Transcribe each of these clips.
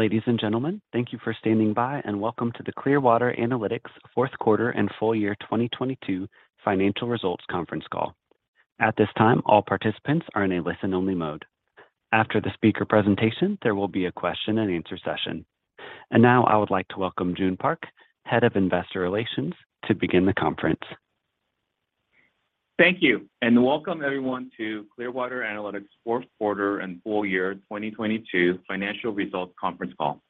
Ladies and gentlemen, thank you for standing by and welcome to the Clearwater Analytics fourth quarter and full year 2022 financial results conference call. At this time, all participants are in a listen-only mode. After the speaker presentation, there will be a question-and-answer session. Now I would like to welcome Joon Park, Head of Investor Relations, to begin the conference. Thank you. Welcome everyone to Clearwater Analytics fourth quarter and full year 2022 financial results conference call.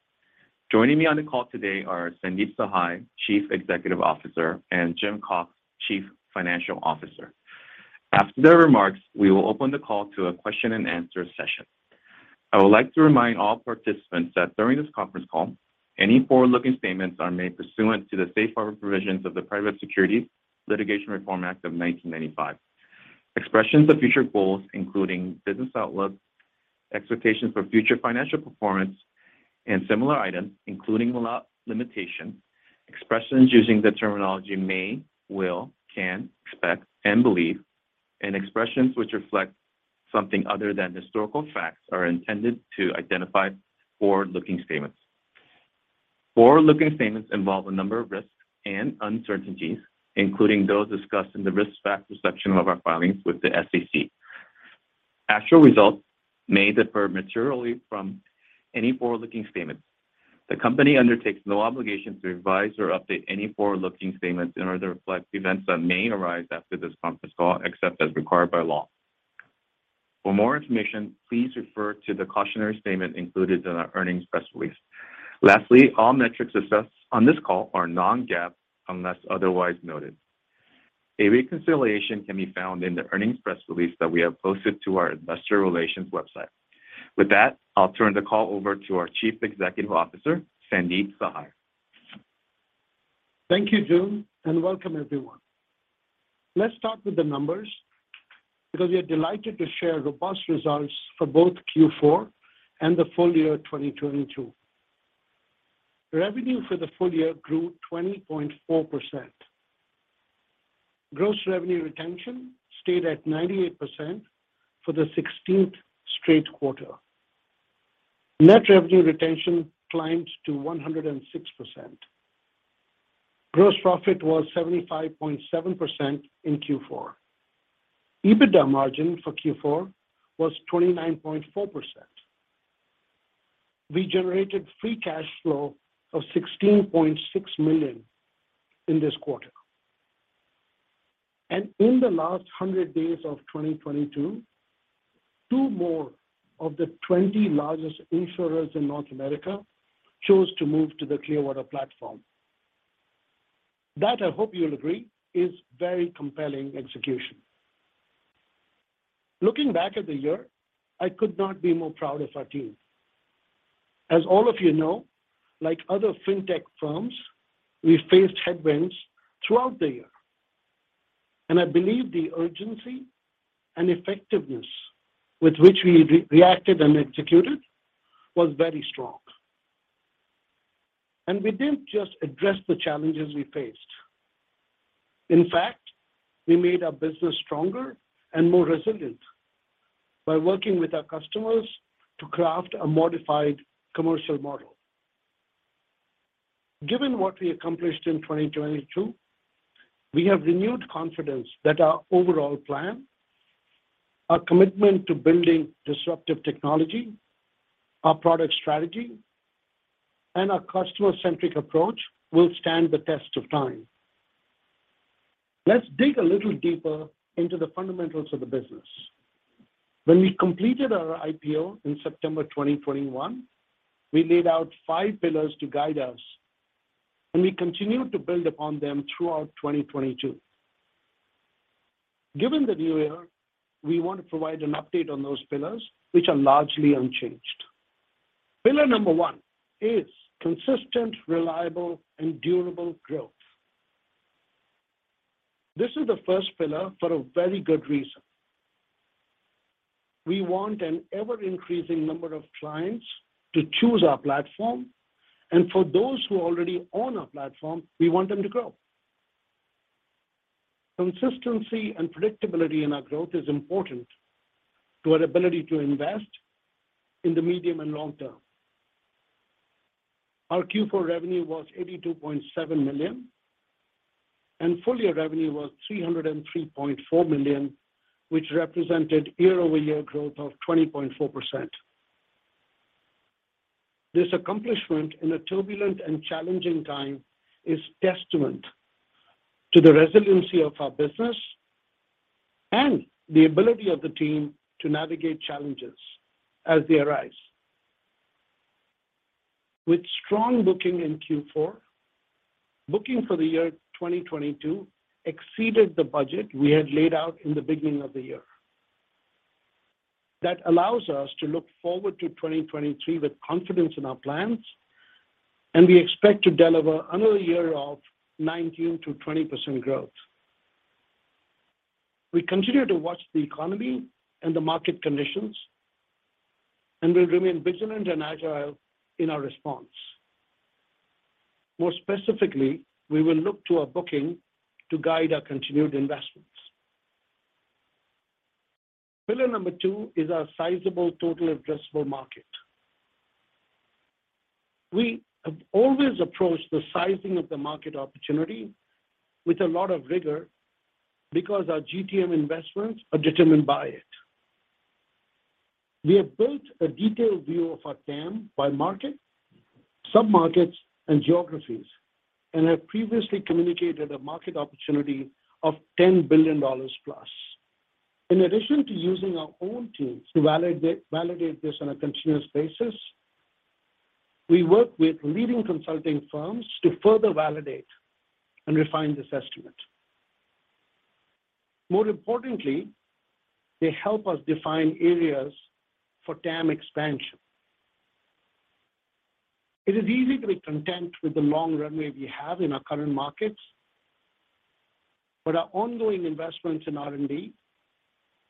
Joining me on the call today are Sandeep Sahai, Chief Executive Officer, and Jim Cox, Chief Financial Officer. After their remarks, we will open the call to a question-and-answer session. I would like to remind all participants that during this conference call, any forward-looking statements are made pursuant to the safe harbor provisions of the Private Securities Litigation Reform Act of 1995. Expressions of future goals, including business outlook, expectations for future financial performance, and similar items, including, without limitation, expressions using the terminology may, will, can, expect, and believe, and expressions which reflect something other than historical facts are intended to identify forward-looking statements. Forward-looking statements involve a number of risks and uncertainties, including those discussed in the Risk Factors section of our filings with the SEC. Actual results may differ materially from any forward-looking statements. The company undertakes no obligation to revise or update any forward-looking statements in order to reflect events that may arise after this conference call, except as required by law. For more information, please refer to the cautionary statement included in our earnings press release. Lastly, all metrics discussed on this call are non-GAAP, unless otherwise noted. A reconciliation can be found in the earnings press release that we have posted to our investor relations website. With that, I'll turn the call over to our Chief Executive Officer, Sandeep Sahai. Thank you, Joon, and welcome everyone. Let's start with the numbers because we are delighted to share robust results for both Q4 and the full year 2022. Revenue for the full year grew 20.4%. Gross revenue retention stayed at 98% for the 16th straight quarter. Net revenue retention climbed to 106%. Gross profit was 75.7% in Q4. EBITDA margin for Q4 was 29.4%. We generated free cash flow of $16.6 million in this quarter. In the last 100 days of 2022, two more of the 20 largest insurers in North America chose to move to the Clearwater platform. That, I hope you'll agree, is very compelling execution. Looking back at the year, I could not be more proud of our team. As all of you know, like other fintech firms, we faced headwinds throughout the year. I believe the urgency and effectiveness with which we re-reacted and executed was very strong. We didn't just address the challenges we faced. In fact, we made our business stronger and more resilient by working with our customers to craft a modified commercial model. Given what we accomplished in 2022, we have renewed confidence that our overall plan, our commitment to building disruptive technology, our product strategy, and our customer-centric approach will stand the test of time. Let's dig a little deeper into the fundamentals of the business. When we completed our IPO in September 2021, we laid out five pillars to guide us. We continued to build upon them throughout 2022. Given the new year, we want to provide an update on those pillars, which are largely unchanged. Pillar number one is consistent, reliable, and durable growth. This is the first pillar for a very good reason. We want an ever-increasing number of clients to choose our platform, and for those who already own our platform, we want them to grow. Consistency and predictability in our growth is important to our ability to invest in the medium and long term. Our Q4 revenue was $82.7 million, and full-year revenue was $303.4 million, which represented year-over-year growth of 20.4%. This accomplishment in a turbulent and challenging time is testament to the resiliency of our business and the ability of the team to navigate challenges as they arise. With strong booking in Q4, booking for the year 2022 exceeded the budget we had laid out in the beginning of the year. That allows us to look forward to 2023 with confidence in our plans. We expect to deliver another year of 19%-20% growth. We continue to watch the economy and the market conditions. We'll remain vigilant and agile in our response. More specifically, we will look to our booking to guide our continued investments. Pillar number two is our sizable total addressable market. We have always approached the sizing of the market opportunity with a lot of rigor because our GTM investments are determined by it. We have built a detailed view of our TAM by market, sub-markets, and geographies. We have previously communicated a market opportunity of $10 billion plus. In addition to using our own teams to validate this on a continuous basis, we work with leading consulting firms to further validate and refine this estimate. More importantly, they help us define areas for TAM expansion. It is easy to be content with the long runway we have in our current markets, but our ongoing investments in R&D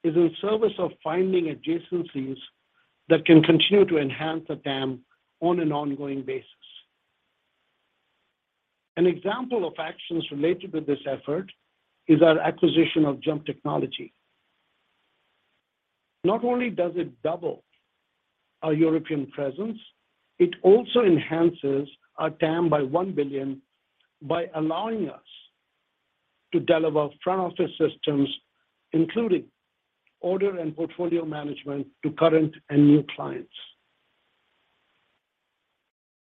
is in service of finding adjacencies that can continue to enhance the TAM on an ongoing basis. An example of actions related to this effort is our acquisition of JUMP Technology. Not only does it double our European presence, it also enhances our TAM by $1 billion by allowing us to deliver front office systems, including order and portfolio management to current and new clients.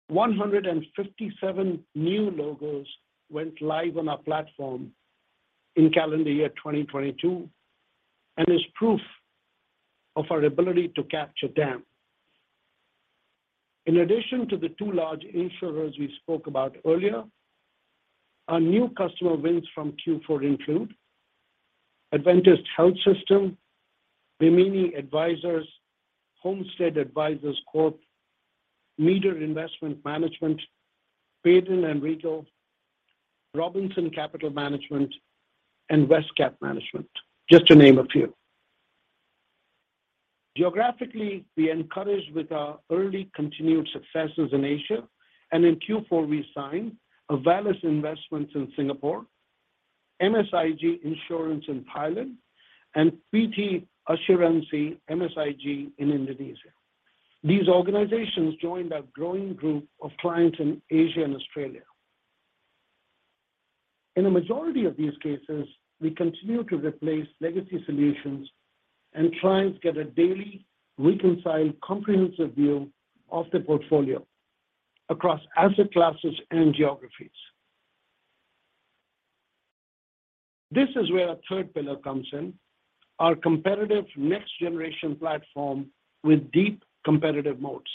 157 new logos went live on our platform in calendar year 2022, and is proof of our ability to capture TAM. In addition to the two large insurers we spoke about earlier, our new customer wins from Q4 include Adventist Health System, Bimini Advisors, Homestead Advisers Corp., Meeder Investment Management, Payden & Rygel, Robinson Capital Management, and WestCap Management, just to name a few. Geographically, we encouraged with our early continued successes in Asia. In Q4 we signed Avallis Investments in Singapore, MSIG Insurance in Thailand, and PT Asuransi MSIG in Indonesia. These organizations joined our growing group of clients in Asia and Australia. In a majority of these cases, we continue to replace legacy solutions and clients get a daily reconciled, comprehensive view of their portfolio across asset classes and geographies. This is where our third pillar comes in, our competitive next generation platform with deep competitive moats.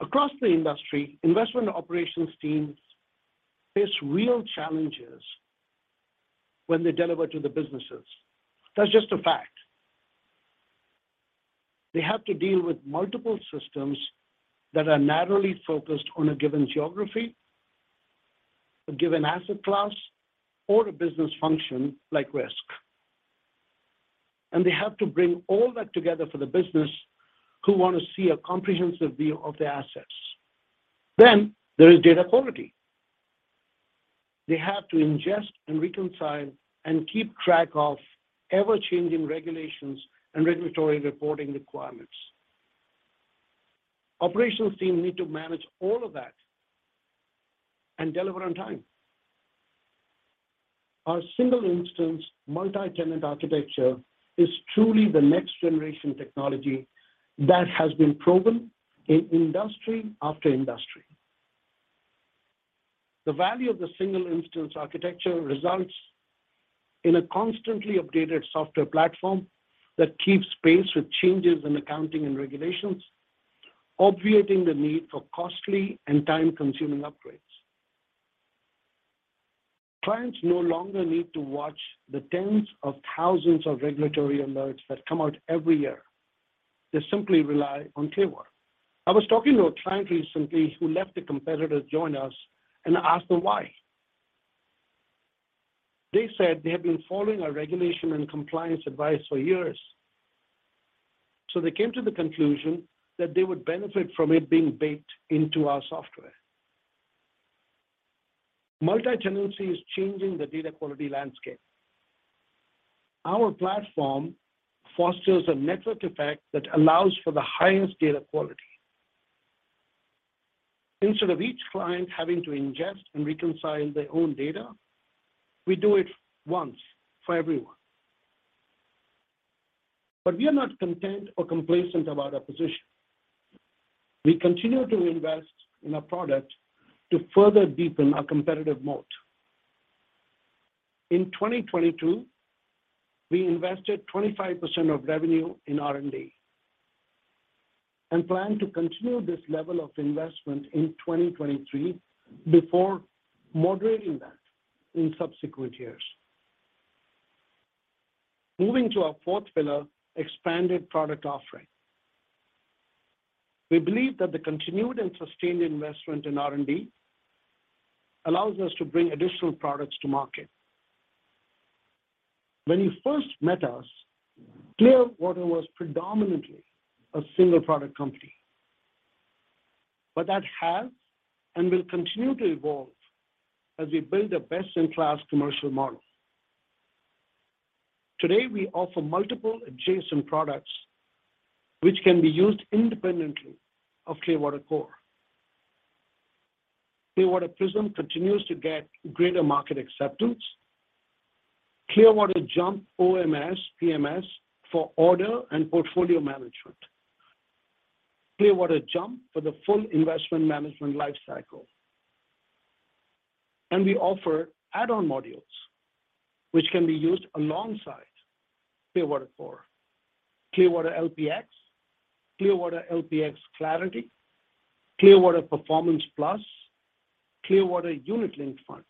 Across the industry, investment operations teams face real challenges when they deliver to the businesses. That's just a fact. They have to deal with multiple systems that are narrowly focused on a given geography, a given asset class, or a business function like risk. They have to bring all that together for the business who want to see a comprehensive view of their assets. There is data quality. They have to ingest and reconcile and keep track of ever-changing regulations and regulatory reporting requirements. Operations team need to manage all of that and deliver on time. Our single instance multi-tenant architecture is truly the next generation technology that has been proven in industry after industry. The value of the single instance architecture results in a constantly updated software platform that keeps pace with changes in accounting and regulations, obviating the need for costly and time-consuming upgrades. Clients no longer need to watch the tens of thousands of regulatory alerts that come out every year. They simply rely on Clearwater. I was talking to a client recently who left a competitor to join us and asked them why. They said they have been following our regulation and compliance advice for years, they came to the conclusion that they would benefit from it being baked into our software. Multi-tenancy is changing the data quality landscape. Our platform fosters a network effect that allows for the highest data quality. Instead of each client having to ingest and reconcile their own data, we do it once for everyone. We are not content or complacent about our position. We continue to invest in our product to further deepen our competitive moat. In 2022, we invested 25% of revenue in R&D, plan to continue this level of investment in 2023 before moderating that in subsequent years. Moving to our fourth pillar, expanded product offering. We believe that the continued and sustained investment in R&D allows us to bring additional products to market. When you first met us, Clearwater was predominantly a single product company. That has and will continue to evolve as we build a best-in-class commercial model. Today, we offer multiple adjacent products which can be used independently of Clearwater Core. Clearwater Prism continues to get greater market acceptance. Clearwater JUMP OMS, PMS for order and portfolio management. Clearwater JUMP for the full investment management lifecycle. We offer add-on modules which can be used alongside Clearwater Core. Clearwater LPx, Clearwater LPx Clarity, Clearwater Performance Plus, Clearwater Unit Linked Funds.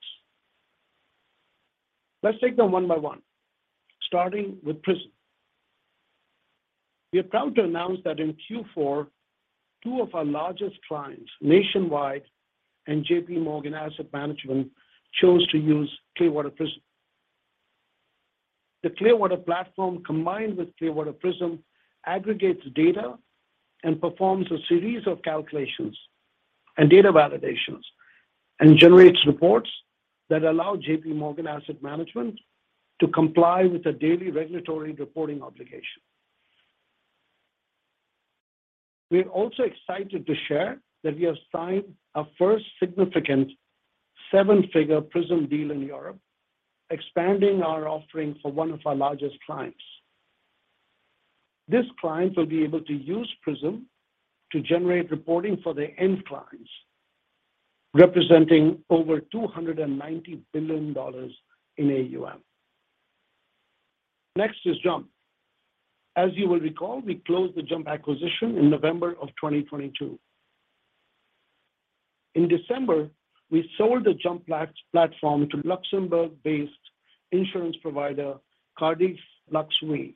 Let's take them one by one, starting with Prism. We are proud to announce that in Q4, two of our largest clients, Nationwide and JPMorgan Asset Management, chose to use Clearwater Prism. The Clearwater platform combined with Clearwater Prism aggregates data and performs a series of calculations and data validations and generates reports that allow JPMorgan Asset Management to comply with the daily regulatory reporting obligation. We're also excited to share that we have signed our first significant seven figure Prism deal in Europe, expanding our offering for one of our largest clients. This client will be able to use Prism to generate reporting for their end clients, representing over $290 billion in AUM. Next is JUMP. As you will recall, we closed the JUMP acquisition in November of 2022. In December, we sold the JUMP platform to Luxembourg-based insurance provider, Cardif Lux Vie.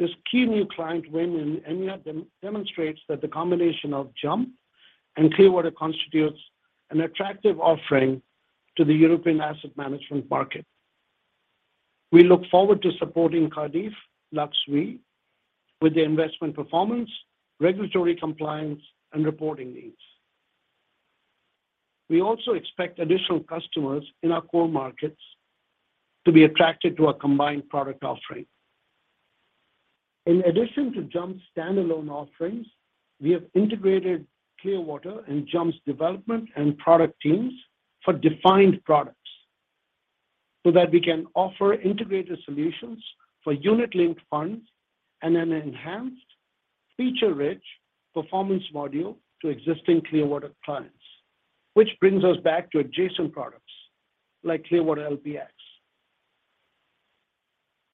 This key new client win in EMEA demonstrates that the combination of JUMP and Clearwater constitutes an attractive offering to the European asset management market. We look forward to supporting Cardif Lux Vie with their investment performance, regulatory compliance, and reporting needs. We also expect additional customers in our core markets to be attracted to our combined product offering. In addition to JUMP's standalone offerings, we have integrated Clearwater and JUMP's development and product teams for defined products so that we can offer integrated solutions for unit-linked funds and an enhanced feature-rich performance module to existing Clearwater clients, which brings us back to adjacent products like Clearwater LPx.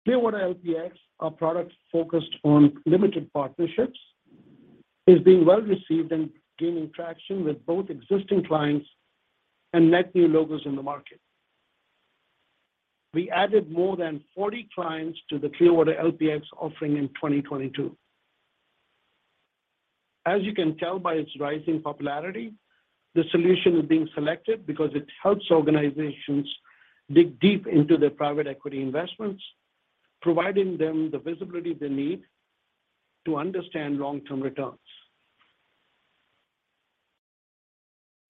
Clearwater LPx, our product focused on limited partnerships, is being well-received and gaining traction with both existing clients and net new logos in the market. We added more than 40 clients to the Clearwater LPx offering in 2022. As you can tell by its rising popularity, the solution is being selected because it helps organizations dig deep into their private equity investments, providing them the visibility they need to understand long-term returns.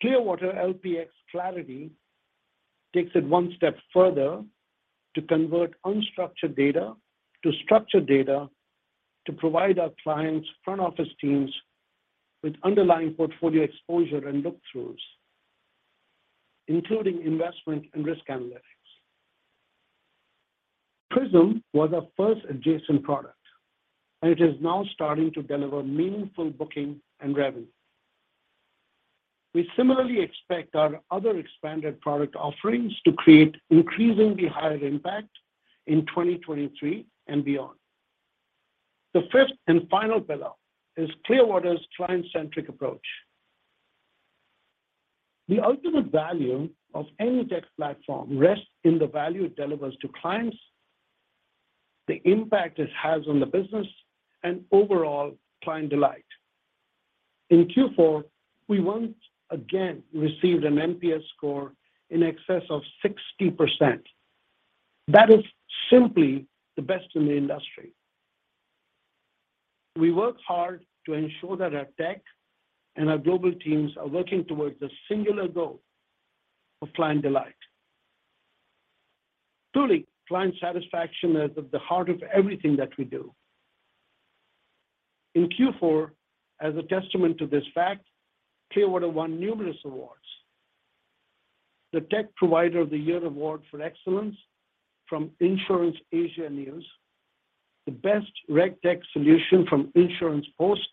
Clearwater LPx Clarity takes it one step further to convert unstructured data to structured data to provide our clients' front office teams with underlying portfolio exposure and look-throughs, including investment and risk analytics. Prism was our first adjacent product, and it is now starting to deliver meaningful booking and revenue. We similarly expect our other expanded product offerings to create increasingly higher impact in 2023 and beyond. The fifth and final pillar is Clearwater's client-centric approach. The ultimate value of any tech platform rests in the value it delivers to clients, the impact it has on the business, and overall client delight. In Q4, we once again received an NPS score in excess of 60%. That is simply the best in the industry. We work hard to ensure that our tech and our global teams are working towards a singular goal of client delight. Truly, client satisfaction is at the heart of everything that we do. In Q4, as a testament to this fact, Clearwater won numerous awards. The Tech Provider of the Year Award for Excellence from Insurance Asia News, the Best RegTech Solution from Insurance Post,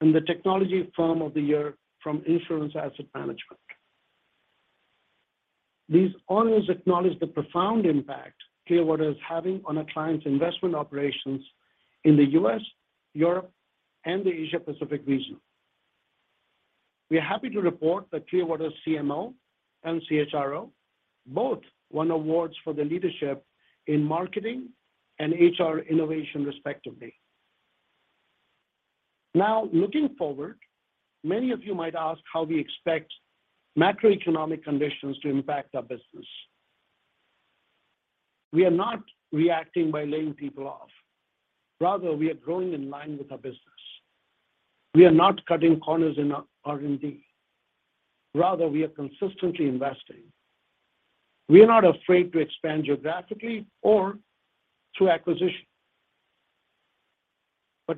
and the Technology Firm of the Year from Insurance Asset Management. These honors acknowledge the profound impact Clearwater is having on our clients' investment operations in the U.S., Europe, and the Asia Pacific region. We are happy to report that Clearwater's CMO and CHRO both won awards for their leadership in marketing and HR innovation respectively. Looking forward, many of you might ask how we expect macroeconomic conditions to impact our business. We are not reacting by laying people off. Rather, we are growing in line with our business. We are not cutting corners in R&D. Rather, we are consistently investing. We are not afraid to expand geographically or through acquisition.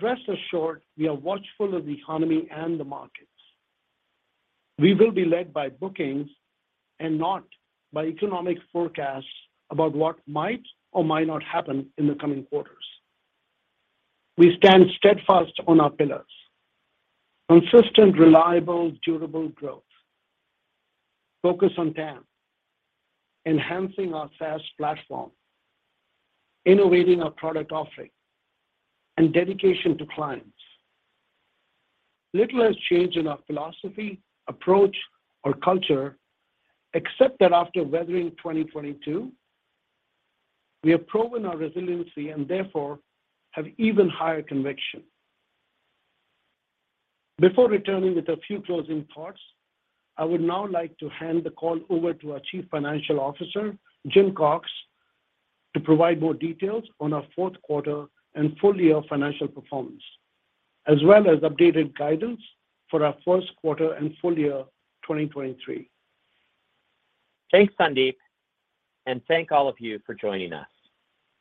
Rest assured, we are watchful of the economy and the markets. We will be led by bookings and not by economic forecasts about what might or might not happen in the coming quarters. We stand steadfast on our pillars: consistent, reliable, durable growth, focus on TAM, enhancing our SaaS platform, innovating our product offering, and dedication to clients. Little has changed in our philosophy, approach, or culture, except that after weathering 2022, we have proven our resiliency and therefore have even higher conviction. Before returning with a few closing thoughts, I would now like to hand the call over to our Chief Financial Officer, Jim Cox, to provide more details on our fourth quarter and full year financial performance, as well as updated guidance for our first quarter and full year 2023. Thanks, Sandeep, and thank all of you for joining us.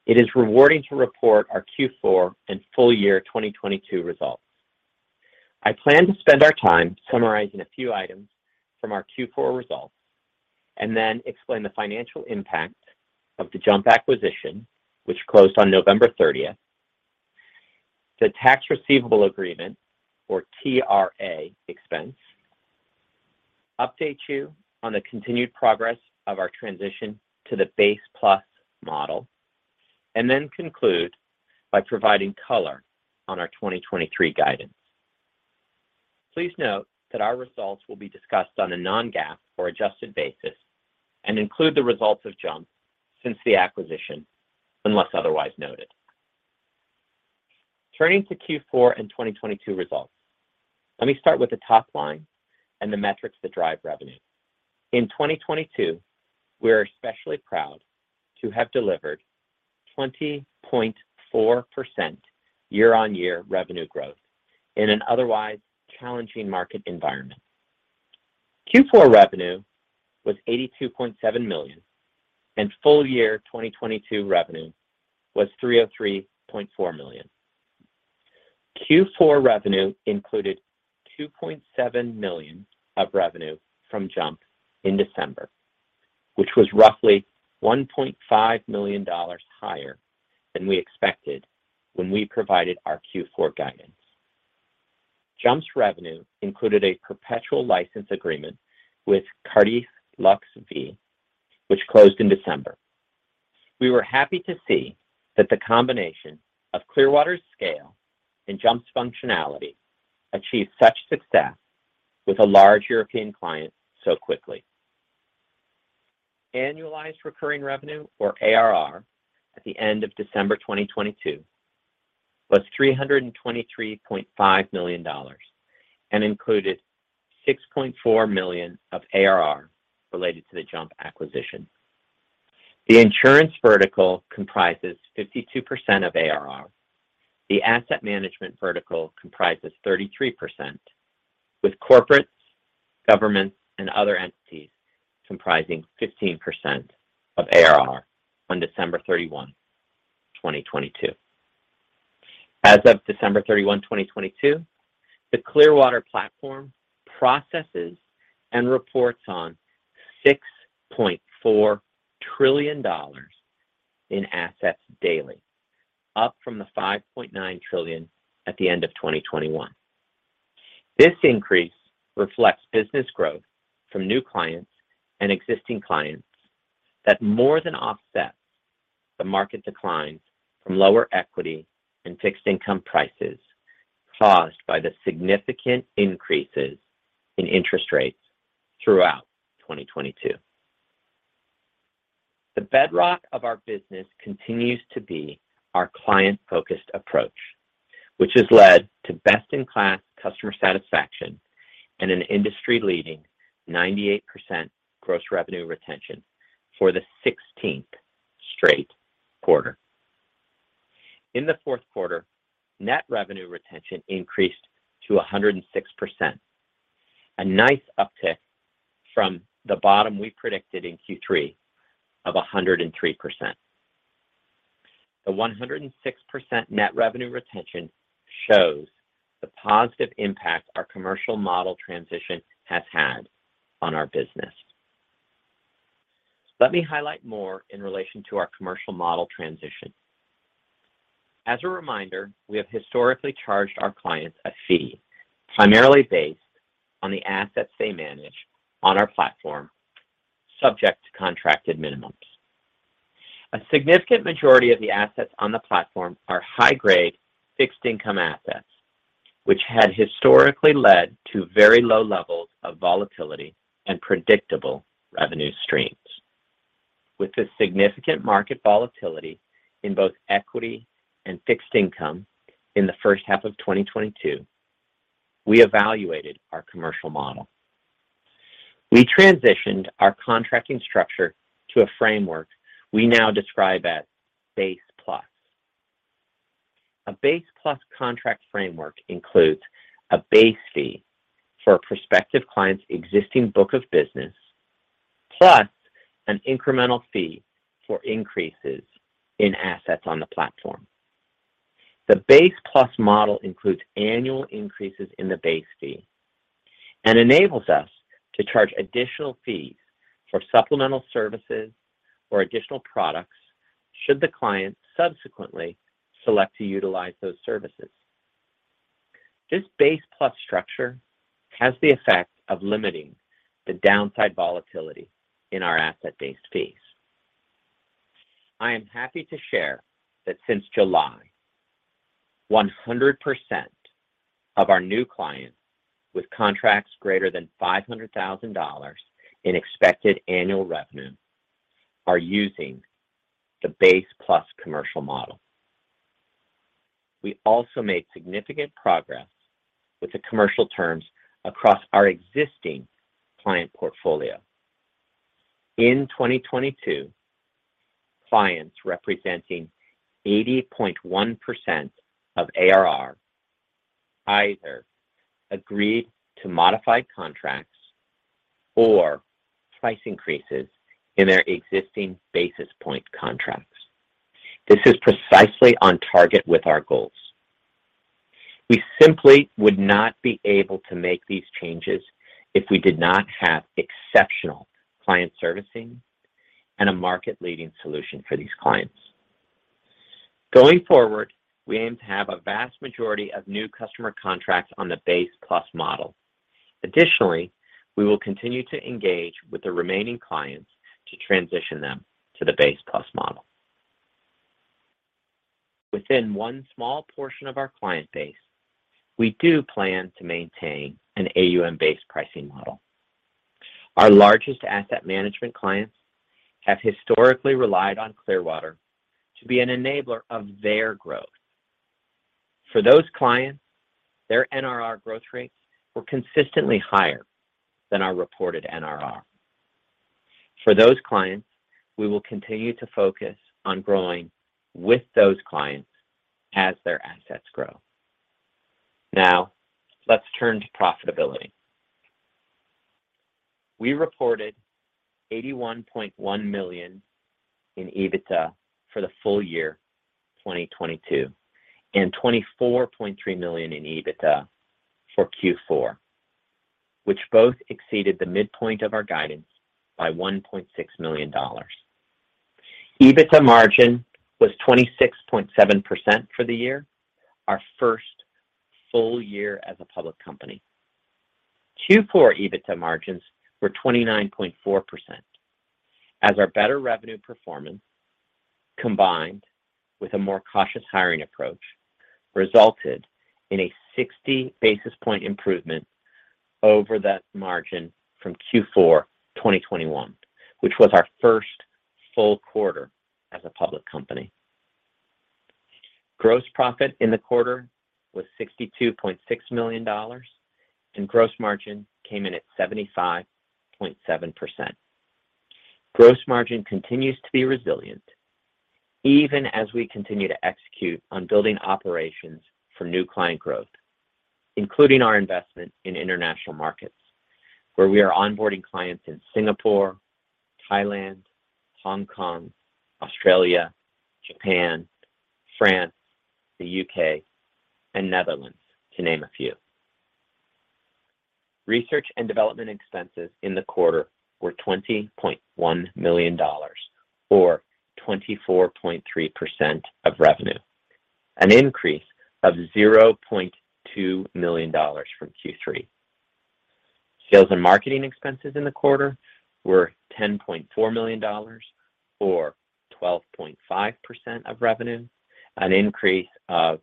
It is rewarding to report our Q4 and full year 2022 results. I plan to spend our time summarizing a few items from our Q4 results and then explain the financial impact of the JUMP acquisition, which closed on November 30th, the tax receivable agreement or TRA expense, update you on the continued progress of our transition to the Base Plus model, and then conclude by providing color on our 2023 guidance. Please note that our results will be discussed on a non-GAAP or adjusted basis and include the results of JUMP since the acquisition, unless otherwise noted. Turning to Q4 and 2022 results, let me start with the top line and the metrics that drive revenue. In 2022, we are especially proud to have delivered 20.4% year-on-year revenue growth in an otherwise challenging market environment. Q4 revenue was $82.7 million, and full year 2022 revenue was $303.4 million. Q4 revenue included $2.7 million of revenue from JUMP in December, which was roughly $1.5 million higher than we expected when we provided our Q4 guidance. JUMP's revenue included a perpetual license agreement with Cardif Lux Vie, which closed in December. We were happy to see that the combination of Clearwater's scale and JUMP's functionality achieved such success with a large European client so quickly. Annualized recurring revenue, or ARR, at the end of December 2022 was $323.5 million and included $6.4 million of ARR related to the JUMP acquisition. The insurance vertical comprises 52% of ARR. The asset management vertical comprises 33%, with corporates, governments, and other entities comprising 15% of ARR on December 31, 2022. As of December 31, 2022, the Clearwater platform processes and reports on $6.4 trillion in assets daily, up from the $5.9 trillion at the end of 2021. This increase reflects business growth from new clients and existing clients that more than offset the market declines from lower equity and fixed income prices caused by the significant increases in interest rates throughout 2022. The bedrock of our business continues to be our client-focused approach, which has led to best-in-class customer satisfaction and an industry-leading 98% gross revenue retention for the 16th straight quarter. In the fourth quarter, net revenue retention increased to 106%, a nice uptick from the bottom we predicted in Q3 of 103%. The 106% net revenue retention shows the positive impact our commercial model transition has had on our business. Let me highlight more in relation to our commercial model transition. As a reminder, we have historically charged our clients a fee, primarily based on the assets they manage on our platform, subject to contracted minimums. A significant majority of the assets on the platform are high-grade fixed income assets, which had historically led to very low levels of volatility and predictable revenue streams. With the significant market volatility in both equity and fixed income in the first half of 2022, we evaluated our commercial model. We transitioned our contracting structure to a framework we now describe as Base Plus. A Base Plus contract framework includes a base fee for a prospective client's existing book of business, plus an incremental fee for increases in assets on the platform. The Base Plus model includes annual increases in the base fee and enables us to charge additional fees for supplemental services or additional products should the client subsequently select to utilize those services. This Base Plus structure has the effect of limiting the downside volatility in our asset-based fees. I am happy to share that since July, 100% of our new clients with contracts greater than $500,000 in expected annual revenue are using the Base Plus commercial model. We also made significant progress with the commercial terms across our existing client portfolio. In 2022, clients representing 80.1% of ARR either agreed to modify contracts or price increases in their existing basis point contracts. This is precisely on target with our goals. We simply would not be able to make these changes if we did not have exceptional client servicing and a market-leading solution for these clients. Going forward, we aim to have a vast majority of new customer contracts on the Base Plus model. Additionally, we will continue to engage with the remaining clients to transition them to the Base Plus model. Within one small portion of our client base, we do plan to maintain an AUM based pricing model. Our largest asset management clients have historically relied on Clearwater to be an enabler of their growth. For those clients, their NRR growth rates were consistently higher than our reported NRR. For those clients, we will continue to focus on growing with those clients as their assets grow. Let's turn to profitability. We reported $81.1 million in EBITDA for the full year 2022, and $24.3 million in EBITDA for Q4, which both exceeded the midpoint of our guidance by $1.6 million. EBITDA margin was 26.7% for the year, our first full year as a public company. Q4 EBITDA margins were 29.4% as our better revenue performance, combined with a more cautious hiring approach, resulted in a 60 basis point improvement over that margin from Q4 2021, which was our first full quarter as a public company. Gross profit in the quarter was $62.6 million, gross margin came in at 75.7%. Gross margin continues to be resilient even as we continue to execute on building operations for new client growth, including our investment in international markets, where we are onboarding clients in Singapore, Thailand, Hong Kong, Australia, Japan, France, the U.K., and Netherlands, to name a few. Research and development expenses in the quarter were $20.1 million or 24.3% of revenue, an increase of $0.2 million from Q3. Sales and marketing expenses in the quarter were $10.4 million or 12.5% of revenue, an increase of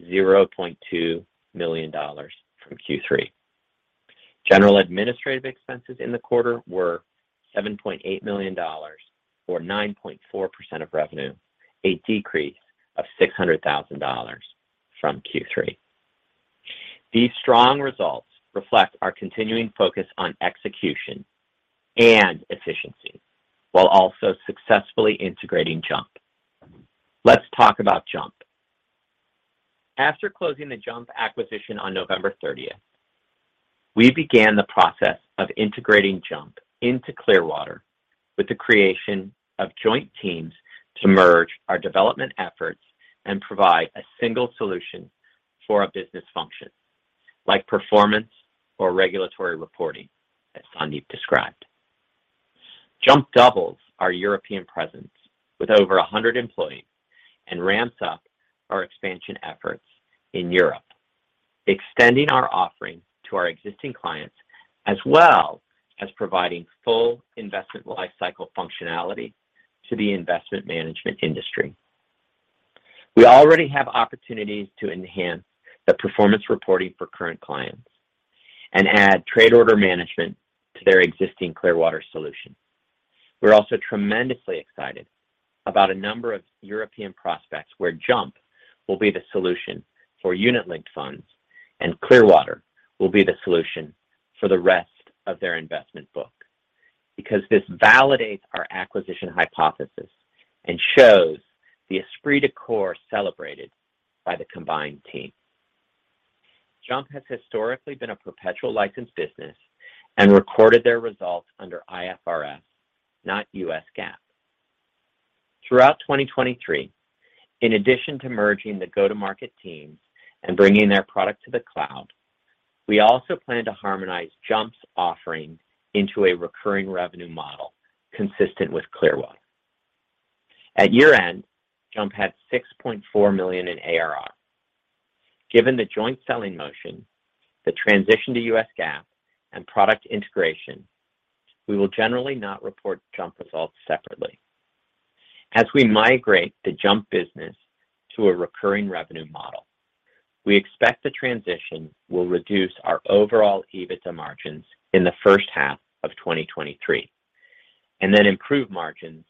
$0.2 million from Q3. General administrative expenses in the quarter were $7.8 million, or 9.4% of revenue, a decrease of $600,000 from Q3. These strong results reflect our continuing focus on execution and efficiency while also successfully integrating JUMP. Let's talk about JUMP. After closing the JUMP acquisition on November 30th, we began the process of integrating JUMP into Clearwater Analytics with the creation of joint teams to merge our development efforts and provide a single solution for a business function like performance or regulatory reporting, as Sandeep Sahai described. JUMP doubles our European presence with over 100 employees and ramps up our expansion efforts in Europe, extending our offering to our existing clients, as well as providing full investment lifecycle functionality to the investment management industry. We already have opportunities to enhance the performance reporting for current clients and add trade order management to their existing Clearwater solution. We're also tremendously excited about a number of European prospects where JUMP will be the solution for unit-linked funds and Clearwater will be the solution for the rest of their investment book. This validates our acquisition hypothesis and shows the esprit de corps celebrated by the combined team. JUMP has historically been a perpetual license business and recorded their results under IFRS, not U.S. GAAP. Throughout 2023, in addition to merging the go-to-market teams and bringing their product to the cloud, we also plan to harmonize JUMP's offering into a recurring revenue model consistent with Clearwater. At year-end, JUMP had $6.4 million in ARR. Given the joint selling motion, the transition to U.S. GAAP, and product integration, we will generally not report JUMP results separately. As we migrate the JUMP business to a recurring revenue model, we expect the transition will reduce our overall EBITDA margins in the first half of 2023, and then improve margins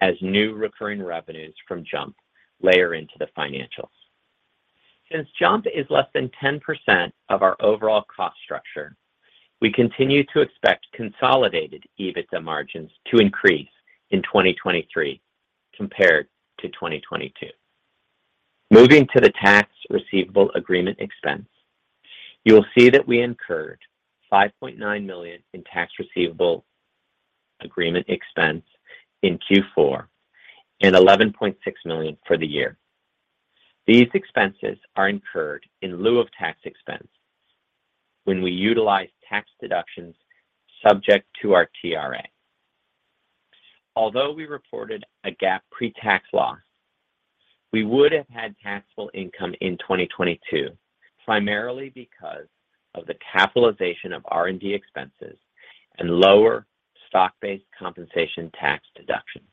as new recurring revenues from JUMP layer into the financials. Since JUMP is less than 10% of our overall cost structure, we continue to expect consolidated EBITDA margins to increase in 2023 compared to 2022. Moving to the tax receivable agreement expense, you will see that we incurred $5.9 million in tax receivable agreement expense in Q4 and $11.6 million for the year. These expenses are incurred in lieu of tax expense when we utilize tax deductions subject to our TRA. Although we reported a GAAP pretax loss, we would have had taxable income in 2022, primarily because of the capitalization of R&D expenses and lower stock-based compensation tax deductions.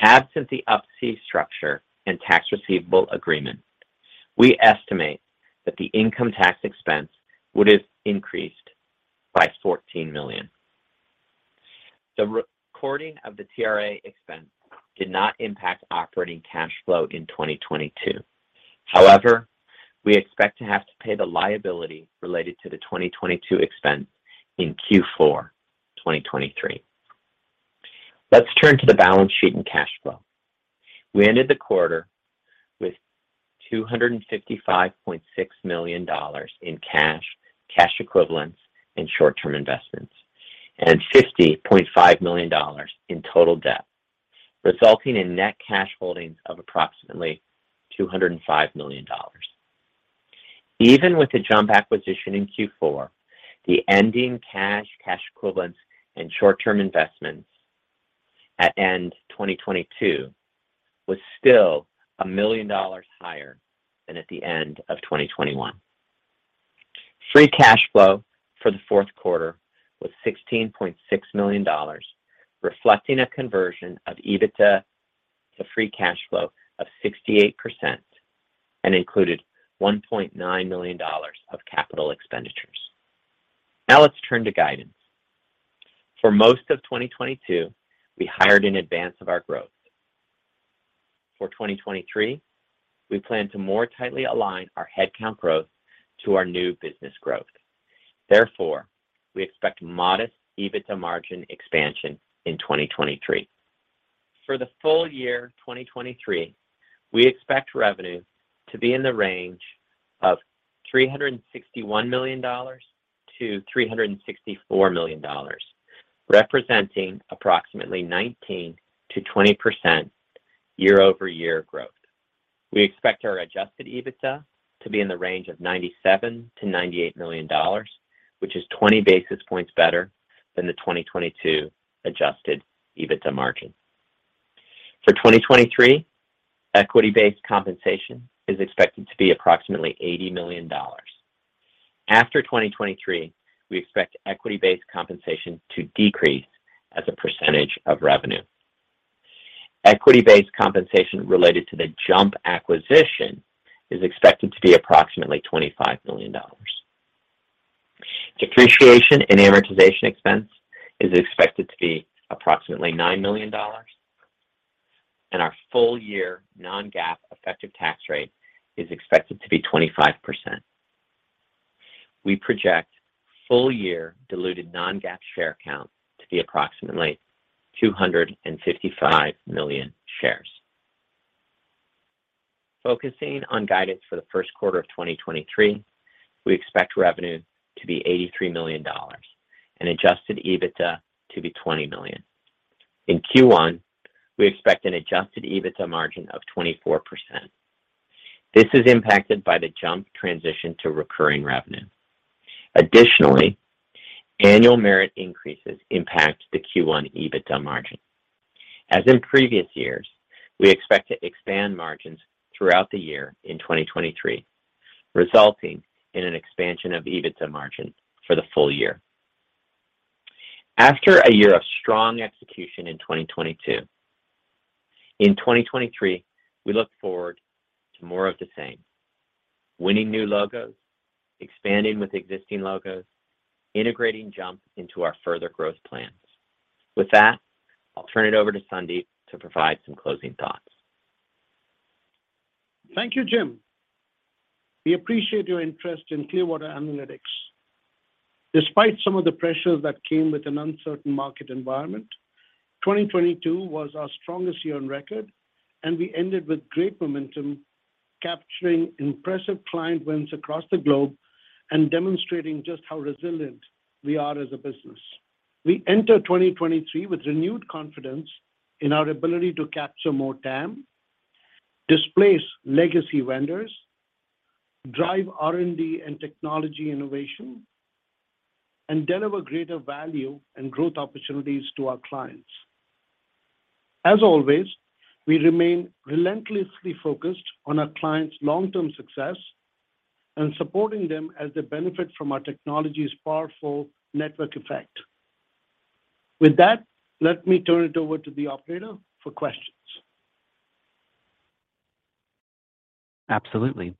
Absent the Up-C structure and tax receivable agreement, we estimate that the income tax expense would have increased by $14 million. The recording of the TRA expense did not impact operating cash flow in 2022. However, we expect to have to pay the liability related to the 2022 expense in Q4 2023. Let's turn to the balance sheet and cash flow. We ended the quarter with $255.6 million in cash equivalents, and short-term investments, and $50.5 million in total debt, resulting in net cash holdings of approximately $205 million. Even with the JUMP acquisition in Q4, the ending cash equivalents, and short-term investments at end 2022 was still $1 million higher than at the end of 2021. Free cash flow for the fourth quarter was $16.6 million, reflecting a conversion of EBITDA to free cash flow of 68% and included $1.9 million of capital expenditures. Let's turn to guidance. For most of 2022, we hired in advance of our growth. For 2023, we plan to more tightly align our headcount growth to our new business growth. We expect modest EBITDA margin expansion in 2023. For the full year 2023, we expect revenue to be in the range of $361 million-$364 million, representing approximately 19%-20% year-over-year growth. We expect our adjusted EBITDA to be in the range of $97 million-$98 million, which is 20 basis points better than the 2022 adjusted EBITDA margin. For 2023, equity-based compensation is expected to be approximately $80 million. After 2023, we expect equity-based compensation to decrease as a percentage of revenue. Equity-based compensation related to the JUMP acquisition is expected to be approximately $25 million. Depreciation and amortization expense is expected to be approximately $9 million, and our full-year non-GAAP effective tax rate is expected to be 25%. We project full-year diluted non-GAAP share count to be approximately 255 million shares. Focusing on guidance for the first quarter of 2023, we expect revenue to be $83 million and adjusted EBITDA to be $20 million. In Q1, we expect an adjusted EBITDA margin of 24%. This is impacted by the JUMP transition to recurring revenue. Additionally, annual merit increases impact the Q1 EBITDA margin. As in previous years, we expect to expand margins throughout the year in 2023, resulting in an expansion of EBITDA margin for the full year. After a year of strong execution in 2022. In 2023, we look forward to more of the same. Winning new logos, expanding with existing logos, integrating JUMP into our further growth plans. With that, I'll turn it over to Sandeep to provide some closing thoughts. Thank you, Jim. We appreciate your interest in Clearwater Analytics. Despite some of the pressures that came with an uncertain market environment, 2022 was our strongest year on record. We ended with great momentum, capturing impressive client wins across the globe and demonstrating just how resilient we are as a business. We enter 2023 with renewed confidence in our ability to capture more TAM, displace legacy vendors, drive R&D and technology innovation, and deliver greater value and growth opportunities to our clients. As always, we remain relentlessly focused on our clients' long-term success and supporting them as they benefit from our technology's powerful network effect. With that, let me turn it over to the operator for questions. Absolutely.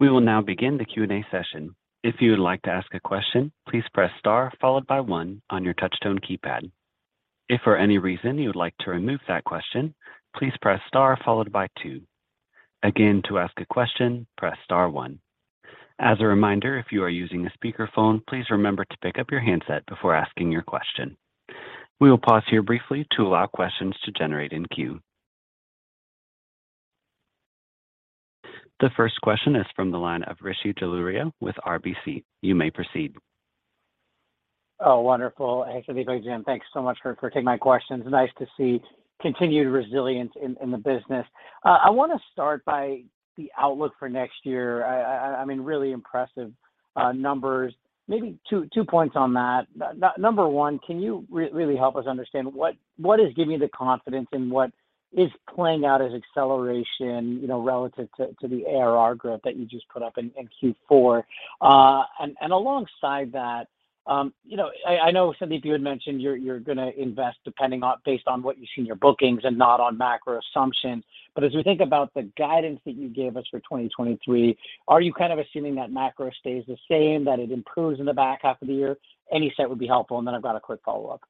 We will now begin the Q&A session. If you would like to ask a question, please press star followed by one on your touch tone keypad. If for any reason you would like to remove that question, please press star followed by two. Again, to ask a question, press star one. As a reminder, if you are using a speakerphone, please remember to pick up your handset before asking your question. We will pause here briefly to allow questions to generate in queue. The first question is from the line of Rishi Jaluria with RBC. You may proceed. Oh, wonderful. Hey, Sandeep and Jim, thanks so much for taking my questions. Nice to see continued resilience in the business. I wanna start by the outlook for next year. I mean, really impressive numbers. Maybe two points on that. Number one, can you really help us understand what is giving you the confidence in what is playing out as acceleration, you know, relative to the ARR growth that you just put up in Q4? Alongside that, you know, I know, Sandeep, you had mentioned you're gonna invest based on what you see in your bookings and not on macro assumptions. As we think about the guidance that you gave us for 2023, are you kind of assuming that macro stays the same, that it improves in the back half of the year? Any set would be helpful, and then I've got a quick follow-up.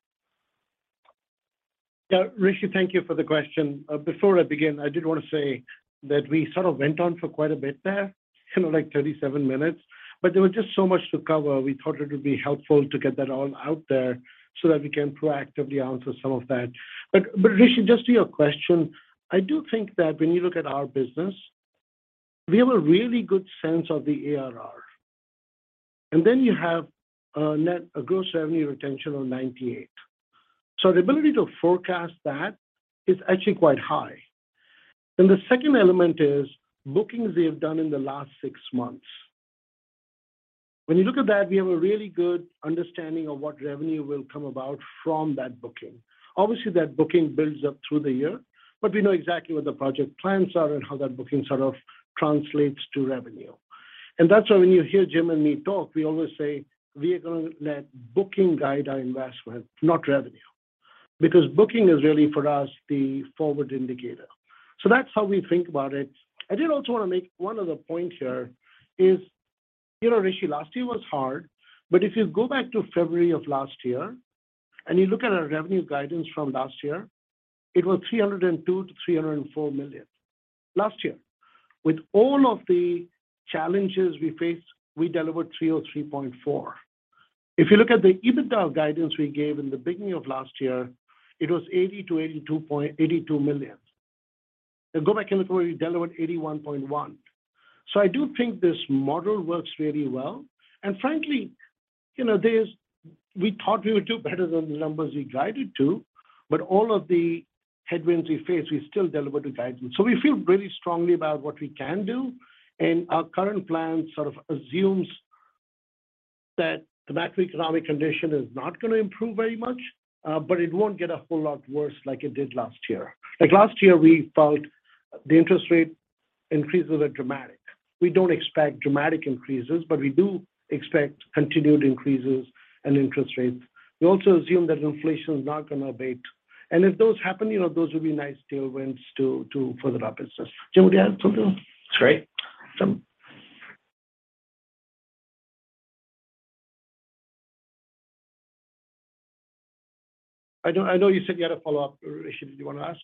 Yeah. Rishi, thank you for the question. Before I begin, I did wanna say that we sort of went on for quite a bit there, you know, like 37 minutes, but there was just so much to cover. We thought it would be helpful to get that all out there so that we can proactively answer some of that. Rishi, just to your question, I do think that when you look at our business, we have a really good sense of the ARR. You have a gross revenue retention of 98. The ability to forecast that is actually quite high. The second element is bookings we have done in the last six months. When you look at that, we have a really good understanding of what revenue will come about from that booking. Obviously, that booking builds up through the year, but we know exactly what the project plans are and how that booking sort of translates to revenue. That's why when you hear Jim and me talk, we always say we are gonna let booking guide our investment, not revenue. Booking is really, for us, the forward indicator. That's how we think about it. I did also wanna make one other point here is, you know, Rishi, last year was hard, but if you go back to February of last year and you look at our revenue guidance from last year, it was $302 million-$304 million. Last year. With all of the challenges we faced, we delivered $303.4 million. If you look at the EBITDA guidance we gave in the beginning of last year, it was $80million-$82 million. Go back and look where we delivered $81.1 million. I do think this model works really well. Frankly, you know, we thought we would do better than the numbers we guided to, but all of the headwinds we faced, we still delivered to guidance. We feel really strongly about what we can do, and our current plan sort of assumes that the macroeconomic condition is not going to improve very much, but it won't get a whole lot worse like it did last year. Last year, we felt the interest rate increases were dramatic. We don't expect dramatic increases, but we do expect continued increases in interest rates. We also assume that inflation is not going to abate. If those happen, you know, those will be nice tailwinds to further our business. Jim, would you add something? That's right. Jim? I know you said you had a follow-up, Rishi. Did you wanna ask?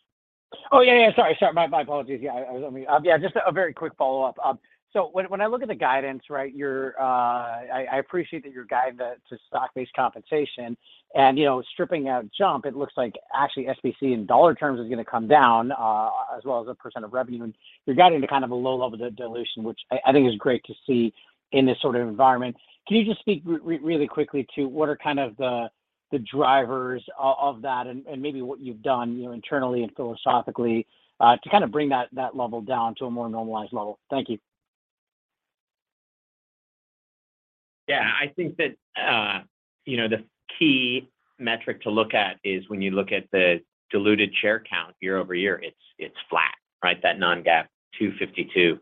Yeah, yeah. Sorry. My apologies. Yeah, just a very quick follow-up. When I look at the guidance, right? I appreciate that you're guiding to stock-based compensation and, you know, stripping out JUMP, it looks like actually SBC in dollar terms is gonna come down as well as a % of revenue, and you're guiding to kind of a low level of dilution, which I think is great to see in this sort of environment. Can you just speak really quickly to what are kind of the drivers of that and maybe what you've done, you know, internally and philosophically to kind of bring that level down to a more normalized level? Thank you. Yeah. I think that, you know, the key metric to look at is when you look at the diluted share count year-over-year, it's flat, right? That non-GAAP 252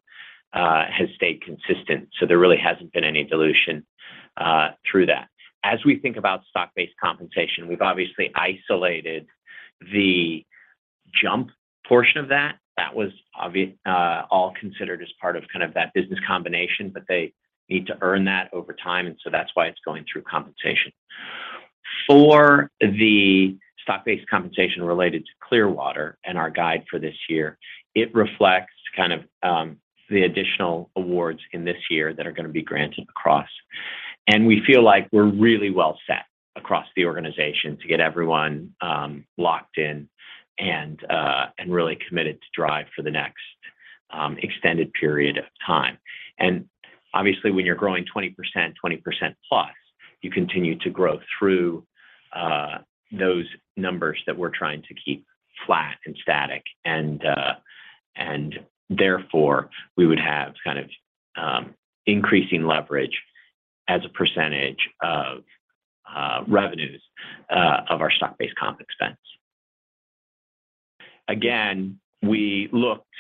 has stayed consistent. There really hasn't been any dilution through that. As we think about stock-based compensation, we've obviously isolated the JUMP portion of that. That was all considered as part of kind of that business combination. They need to earn that over time. That's why it's going through compensation. For the stock-based compensation related to Clearwater and our guide for this year, it reflects kind of the additional awards in this year that are gonna be granted across. We feel like we're really well set across the organization to get everyone locked in and really committed to drive for the next extended period of time. Obviously, when you're growing 20%, 20%+, you continue to grow through those numbers that we're trying to keep flat and static and therefore we would have kind of increasing leverage as a percentage of revenues of our stock-based comp expense. Again, we looked,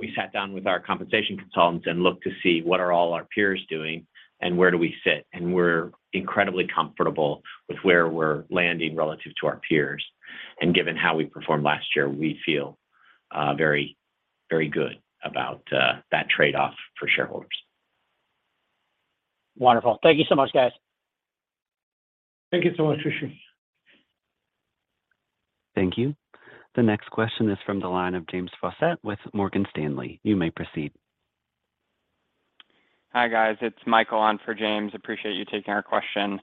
we sat down with our compensation consultants and looked to see what are all our peers doing and where do we sit, and we're incredibly comfortable with where we're landing relative to our peers. Given how we performed last year, we feel very, very good about that trade-off for shareholders. Wonderful. Thank you so much, guys. Thank you so much, Rishi. Thank you. The next question is from the line of James Faucette with Morgan Stanley. You may proceed. Hi, guys. It's Michael on for James. Appreciate you taking our question.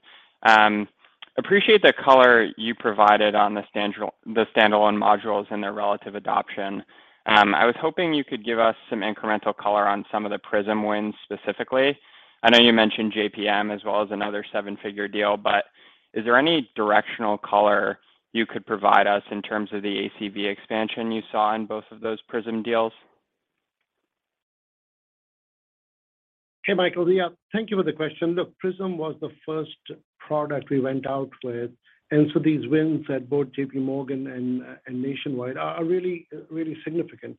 Appreciate the color you provided on the standalone modules and their relative adoption. I was hoping you could give us some incremental color on some of the Clearwater Prism wins specifically. I know you mentioned JPM as well as another seven figure deal, but is there any directional color you could provide us in terms of the ACV expansion you saw in both of those Clearwater Prism deals? Hey, Michael. Yeah, thank you for the question. Look, Prism was the first product we went out with, these wins at both JPMorgan and Nationwide are really significant.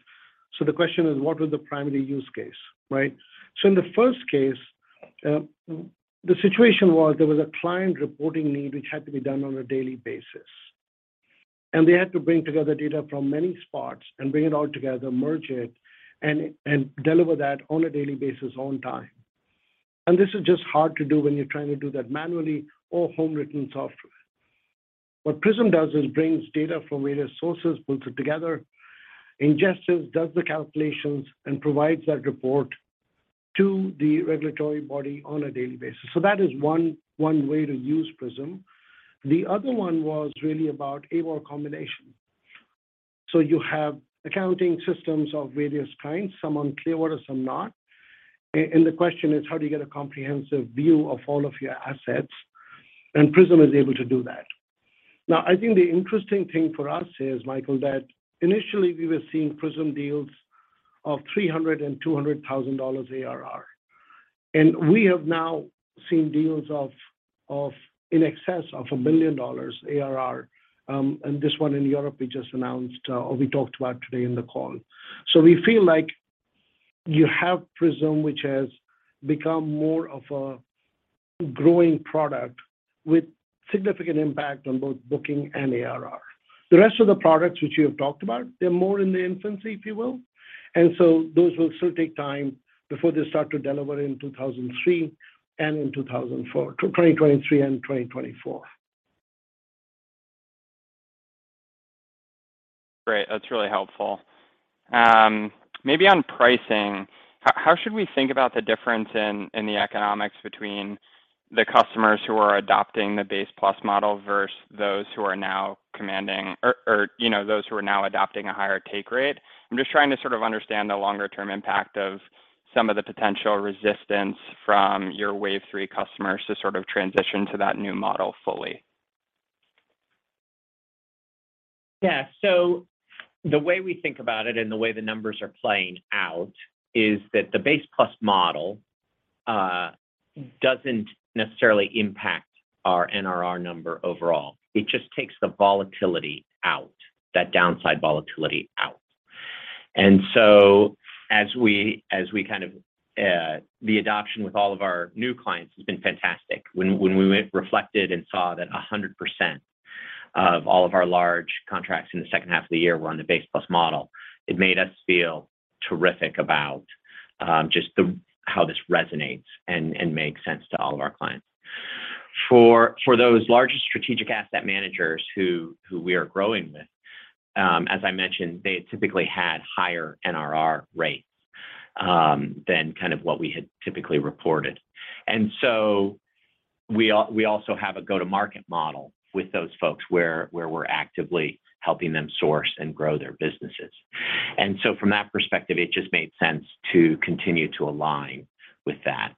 The question is: what was the primary use case, right? In the first case, the situation was there was a client reporting need which had to be done on a daily basis. They had to bring together data from many spots and bring it all together, merge it, and deliver that on a daily basis on time. This is just hard to do when you're trying to do that manually or home-written software. What Prism does is brings data from various sources, pulls it together, ingests it, does the calculations, and provides that report to the regulatory body on a daily basis. That is one way to use Prism. The other one was really about AWOL combination. You have accounting systems of various kinds, some on Clearwater, some not. The question is: how do you get a comprehensive view of all of your assets? Prism is able to do that. I think the interesting thing for us is, Michael, that initially we were seeing Prism deals of $300,200 ARR. We have now seen deals of in excess of $1 [billion] ARR. This one in Europe we just announced, or we talked about today in the call. We feel like you have Prism, which has become more of a growing product with significant impact on both booking and ARR. The rest of the products which you have talked about, they're more in the infancy, if you will. Those will still take time before they start to deliver in 2003 and in 2004. 2023 and 2024. Great. That's really helpful. maybe on pricing, how should we think about the difference in the economics between the customers who are adopting the Base Plus model versus those who are now commanding or, you know, those who are now adopting a higher take rate? I'm just trying to sort of understand the longer term impact of some of the potential resistance from your Wave Three customers to sort of transition to that new model fully. Yeah. The way we think about it and the way the numbers are playing out is that the Base Plus model doesn't necessarily impact our NRR number overall. It just takes the volatility out, that downside volatility out. The adoption with all of our new clients has been fantastic. When we went, reflected and saw that 100% of all of our large contracts in the second half of the year were on the Base Plus model, it made us feel terrific about how this resonates and makes sense to all of our clients. For those larger strategic asset managers who we are growing with, as I mentioned, they typically had higher NRR rates than kind of what we had typically reported. We also have a go-to-market model with those folks where we're actively helping them source and grow their businesses. From that perspective, it just made sense to continue to align with that.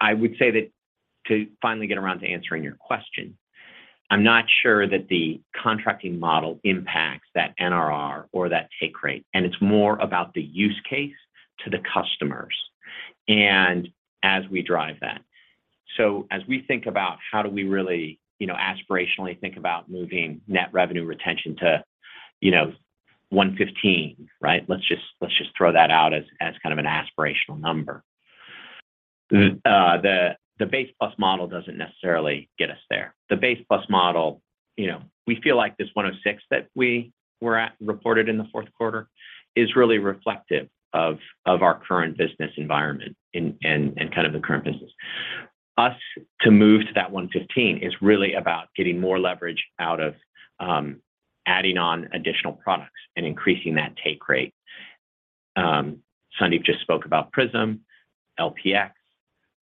I would say that, to finally get around to answering your question, I'm not sure that the contracting model impacts that NRR or that take rate, and it's more about the use case to the customers, and as we drive that. As we think about how do we really, you know, aspirationally think about moving net revenue retention to, you know, 115%, right? Let's just throw that out as kind of an aspirational number. The Base Plus model doesn't necessarily get us there. The Base Plus model, you know, we feel like this 106 that we were at reported in the fourth quarter is really reflective of our current business environment and, and kind of the current business. Us to move to that 115 is really about getting more leverage out of adding on additional products and increasing that take rate. Sandeep just spoke about Prism, LPx,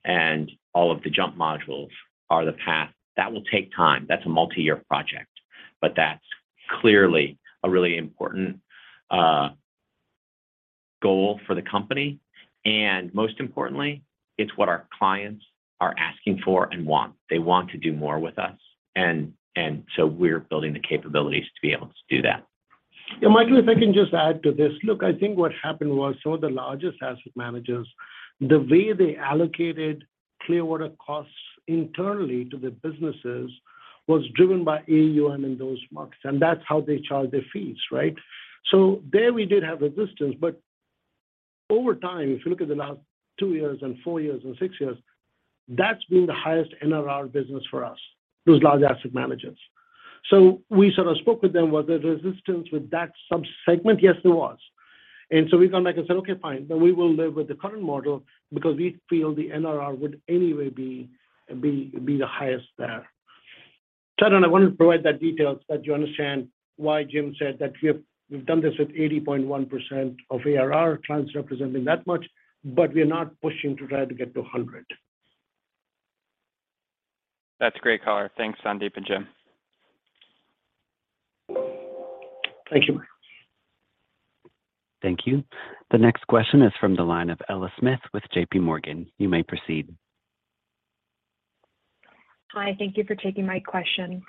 and all of the JUMP modules are the path. That will take time. That's a multi-year project, but that's clearly a really important goal for the company. Most importantly, it's what our clients are asking for and want. They want to do more with us and so we're building the capabilities to be able to do that. Yeah, Michael, if I can just add to this. I think what happened was some of the largest asset managers, the way they allocated Clearwater costs internally to their businesses was driven by AUM in those markets, and that's how they charge their fees, right? There we did have resistance, but over time, if you look at the last two years and four years and six years, that's been the highest NRR business for us, those large asset managers. We sort of spoke with them. Was there resistance with that sub-segment? Yes, there was. We went back and said, "Okay, fine. We will live with the current model because we feel the NRR would anyway be the highest there." I don't know, I wanted to provide that detail so that you understand why Jim said that we have. We've done this with 80.1% of ARR clients representing that much, but we're not pushing to try to get to 100%. That's great, caller. Thanks, Sandeep and Jim. Thank you. Thank you. The next question is from the line of Alexei Gogolev with JPMorgan. You may proceed. Hi. Thank you for taking my question.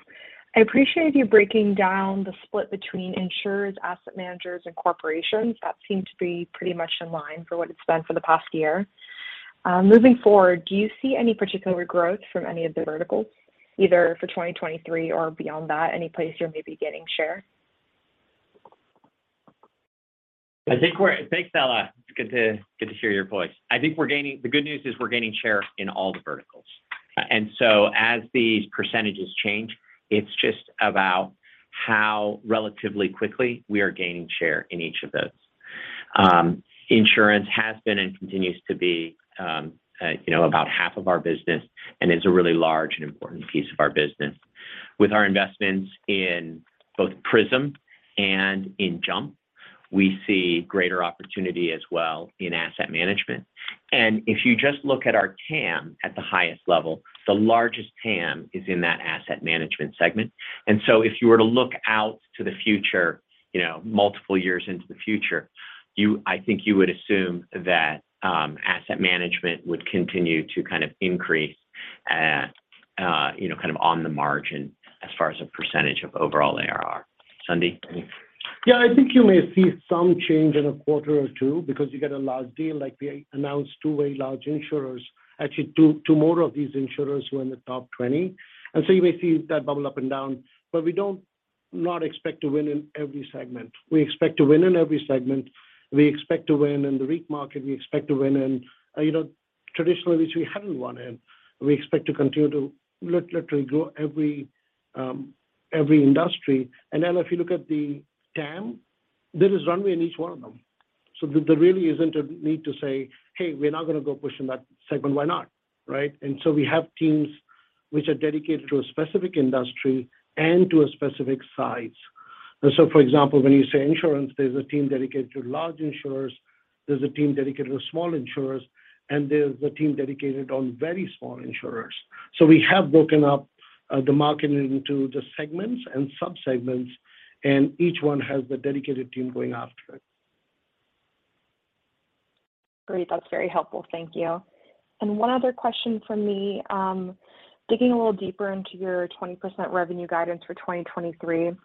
I appreciate you breaking down the split between insurers, asset managers, and corporations. That seemed to be pretty much in line for what it's been for the past year. Moving forward, do you see any particular growth from any of the verticals, either for 2023 or beyond that, any place you're maybe getting share? Thanks, Alexei. It's good to hear your voice. The good news is we're gaining share in all the verticals. As these percentages change, it's just about how relatively quickly we are gaining share in each of those. Insurance has been and continues to be, you know, about half of our business and is a really large and important piece of our business. With our investments in both Prism and in JUMP, we see greater opportunity as well in asset management. If you just look at our TAM at the highest level, the largest TAM is in that asset management segment. If you were to look out to the future, you know, multiple years into the future, I think you would assume that, asset management would continue to kind of increase at, you know, kind of on the margin as far as a percentage of overall ARR. Sandeep? I think you may see some change in a quarter or two because you get a large deal. Like, we announced two very large insurers, actually two more of these insurers who are in the top 20. You may see that bubble up and down, but we don't not expect to win in every segment. We expect to win in every segment. We expect to win in the REIT market. We expect to win in, you know, traditionally which we haven't won in. We expect to continue to literally grow every industry. [Alexei], if you look at the TAM, there is runway in each one of them. There really isn't a need to say, "Hey, we're not gonna go push in that segment." Why not, right? We have teams which are dedicated to a specific industry and to a specific size. For example, when you say insurance, there's a team dedicated to large insurers, there's a team dedicated to small insurers, and there's a team dedicated on very small insurers. We have broken up the market into the segments and sub-segments, and each one has the dedicated team going after it. Great. That's very helpful. Thank you. One other question from me. Digging a little deeper into your 20% revenue guidance for 2023, do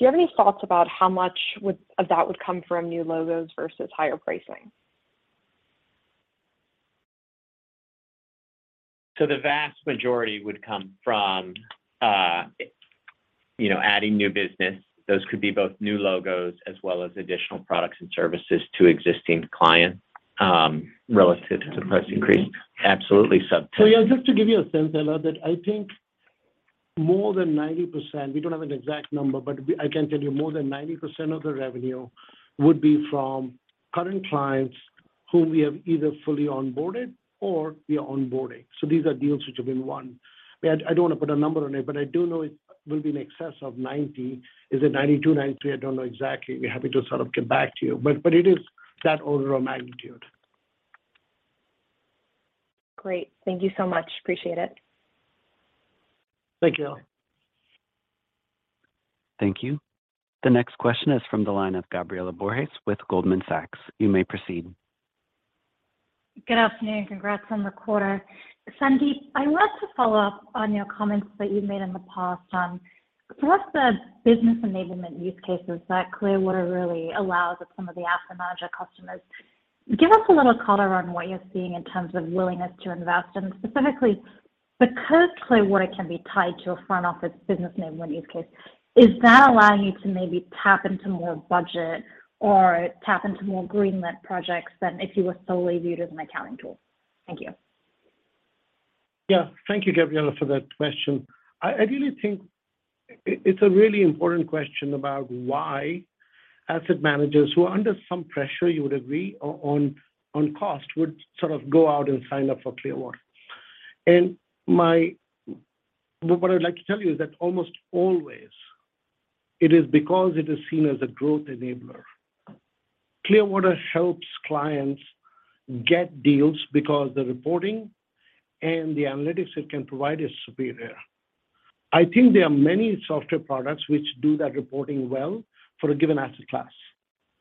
you have any thoughts about how much of that would come from new logos versus higher pricing? The vast majority would come from, you know, adding new business. Those could be both new logos as well as additional products and services to existing clients, relative to price increases. Absolutely sub 10. Yeah, just to give you a sense,[Alexei], that I think more than 90%, we don't have an exact number, but I can tell you more than 90% of the revenue would be from current clients whom we have either fully onboarded or we are onboarding. These are deals which have been won. I don't want to put a number on it, but I do know it will be in excess of 90%. Is it 92%, 93%? I don't know exactly. We're happy to sort of get back to you, but it is that order of magnitude. Great. Thank you so much. Appreciate it. Thank you,[Alexei]. Thank you. The next question is from the line of Gabriela Borges with Goldman Sachs. You may proceed. Good afternoon. Congrats on the quarter. Sandeep, I'd love to follow up on your comments that you've made in the past on some of the business enablement use cases that Clearwater really allows with some of the asset manager customers. Give us a little color on what you're seeing in terms of willingness to invest. Specifically, because Clearwater can be tied to a front office business name use case, is that allowing you to maybe tap into more budget or tap into more greenlit projects than if you were solely viewed as an accounting tool? Thank you. Yeah. Thank you, Gabriela, for that question. I really think it's a really important question about why asset managers who are under some pressure, you would agree, on cost, would sort of go out and sign up for Clearwater. What I'd like to tell you is that almost always it is because it is seen as a growth enabler. Clearwater helps clients get deals because the reporting and the analytics it can provide is superior. I think there are many software products which do that reporting well for a given asset class.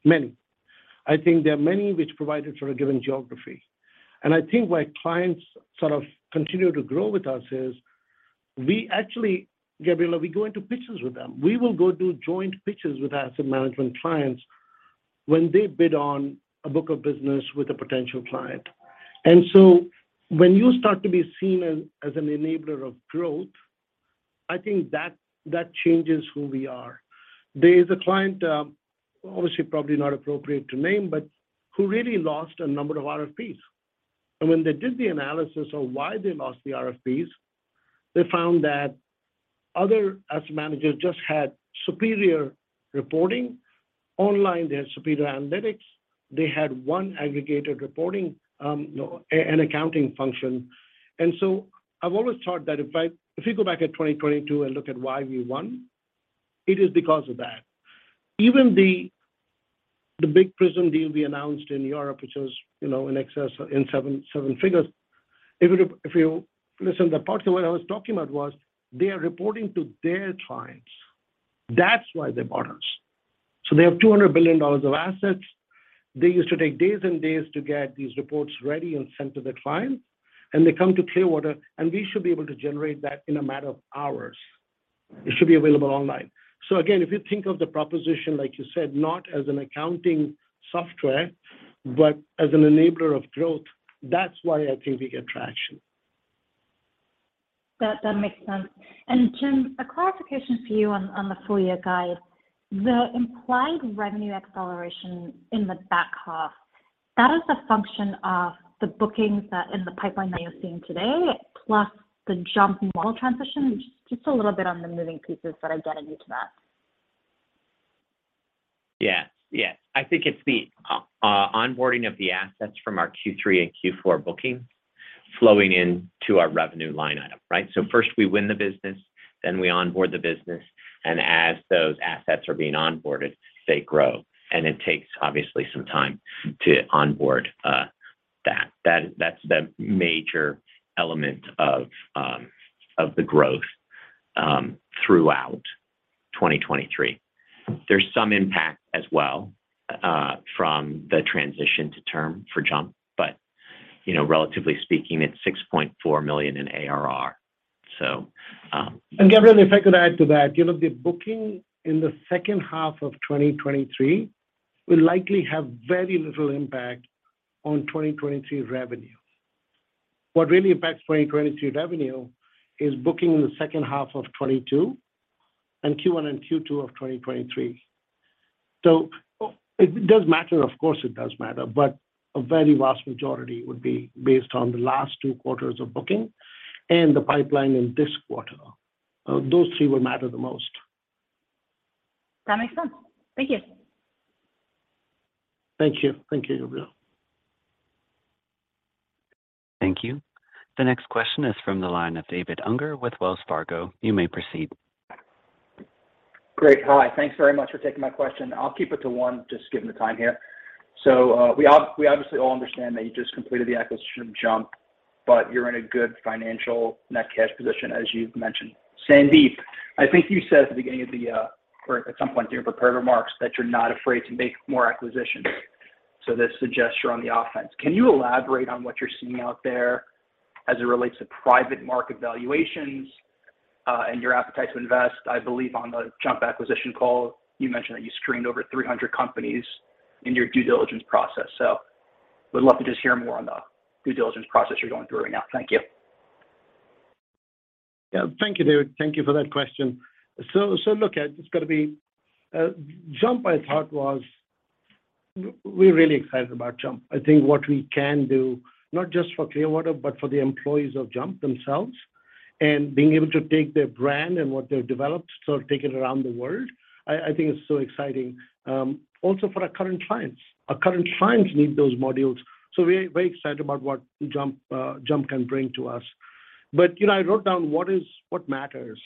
Many. I think there are many which provide it for a given geography. I think why clients sort of continue to grow with us is we actually, Gabriela, we go into pitches with them. We will go do joint pitches with asset management clients when they bid on a book of business with a potential client. When you start to be seen as an enabler of growth, I think that changes who we are. There is a client, obviously probably not appropriate to name, but who really lost a number of RFPs. When they did the analysis of why they lost the RFPs, they found that other asset managers just had superior reporting online. They had superior analytics. They had one aggregated reporting, you know, and accounting function. I've always thought that if you go back at 2022 and look at why we won, it is because of that. Even the big Prism deal we announced in Europe, which was, you know, in excess in $7 figures. If you listen to the part what I was talking about was they are reporting to their clients. That's why they bought us. They have $200 billion of assets. They used to take days and days to get these reports ready and sent to their clients. They come to Clearwater, we should be able to generate that in a matter of hours. It should be available online. Again, if you think of the proposition, like you said, not as an accounting software, but as an enabler of growth, that's why I think we get traction. That makes sense. Jim, a clarification for you on the full year guide. The implied revenue acceleration in the back half, that is a function of the bookings in the pipeline that you're seeing today, plus the JUMP model transition. Just a little bit on the moving pieces that are getting you to that. Yes. Yes. I think it's the onboarding of the assets from our Q3 and Q4 bookings flowing into our revenue line item, right? First we win the business, then we onboard the business, as those assets are being onboarded, they grow. It takes obviously some time to onboard that's the major element of the growth throughout 2023. There's some impact as well from the transition to term for JUMP but, you know, relatively speaking, it's $6.4 million in ARR. Gabriela, if I could add to that. You know, the booking in the second half of 2023 will likely have very little impact on 2023 revenue. What really impacts 2023 revenue is booking in the second half of 2022 and Q1 and Q2 of 2023. It does matter. Of course it does matter, but a very vast majority would be based on the last two quarters of booking and the pipeline in this quarter. Those three will matter the most. That makes sense. Thank you. Thank you. Thank you, Gabriela. Thank you. The next question is from the line of Michael Turrin with Wells Fargo. You may proceed. Great. Hi. Thanks very much for taking my question. I'll keep it to one, just given the time here. We obviously all understand that you just completed the acquisition of JUMP, but you're in a good financial net cash position as you've mentioned. Sandeep, I think you said at the beginning of the, or at some point in your prepared remarks that you're not afraid to make more acquisitions. This suggests you're on the offense. Can you elaborate on what you're seeing out there as it relates to private market valuations, and your appetite to invest? I believe on the JUMP acquisition call, you mentioned that you screened over 300 companies in your due diligence process. Would love to just hear more on the due diligence process you're going through right now. Thank you. Thank you, Michael. Thank you for that question. look. We're really excited about JUMP. I think what we can do, not just for Clearwater, but for the employees of JUMP themselves, and being able to take their brand and what they've developed, sort of take it around the world, I think it's so exciting, also for our current clients. Our current clients need those modules, so we're very excited about what JUMP can bring to us. you know, I wrote down what matters.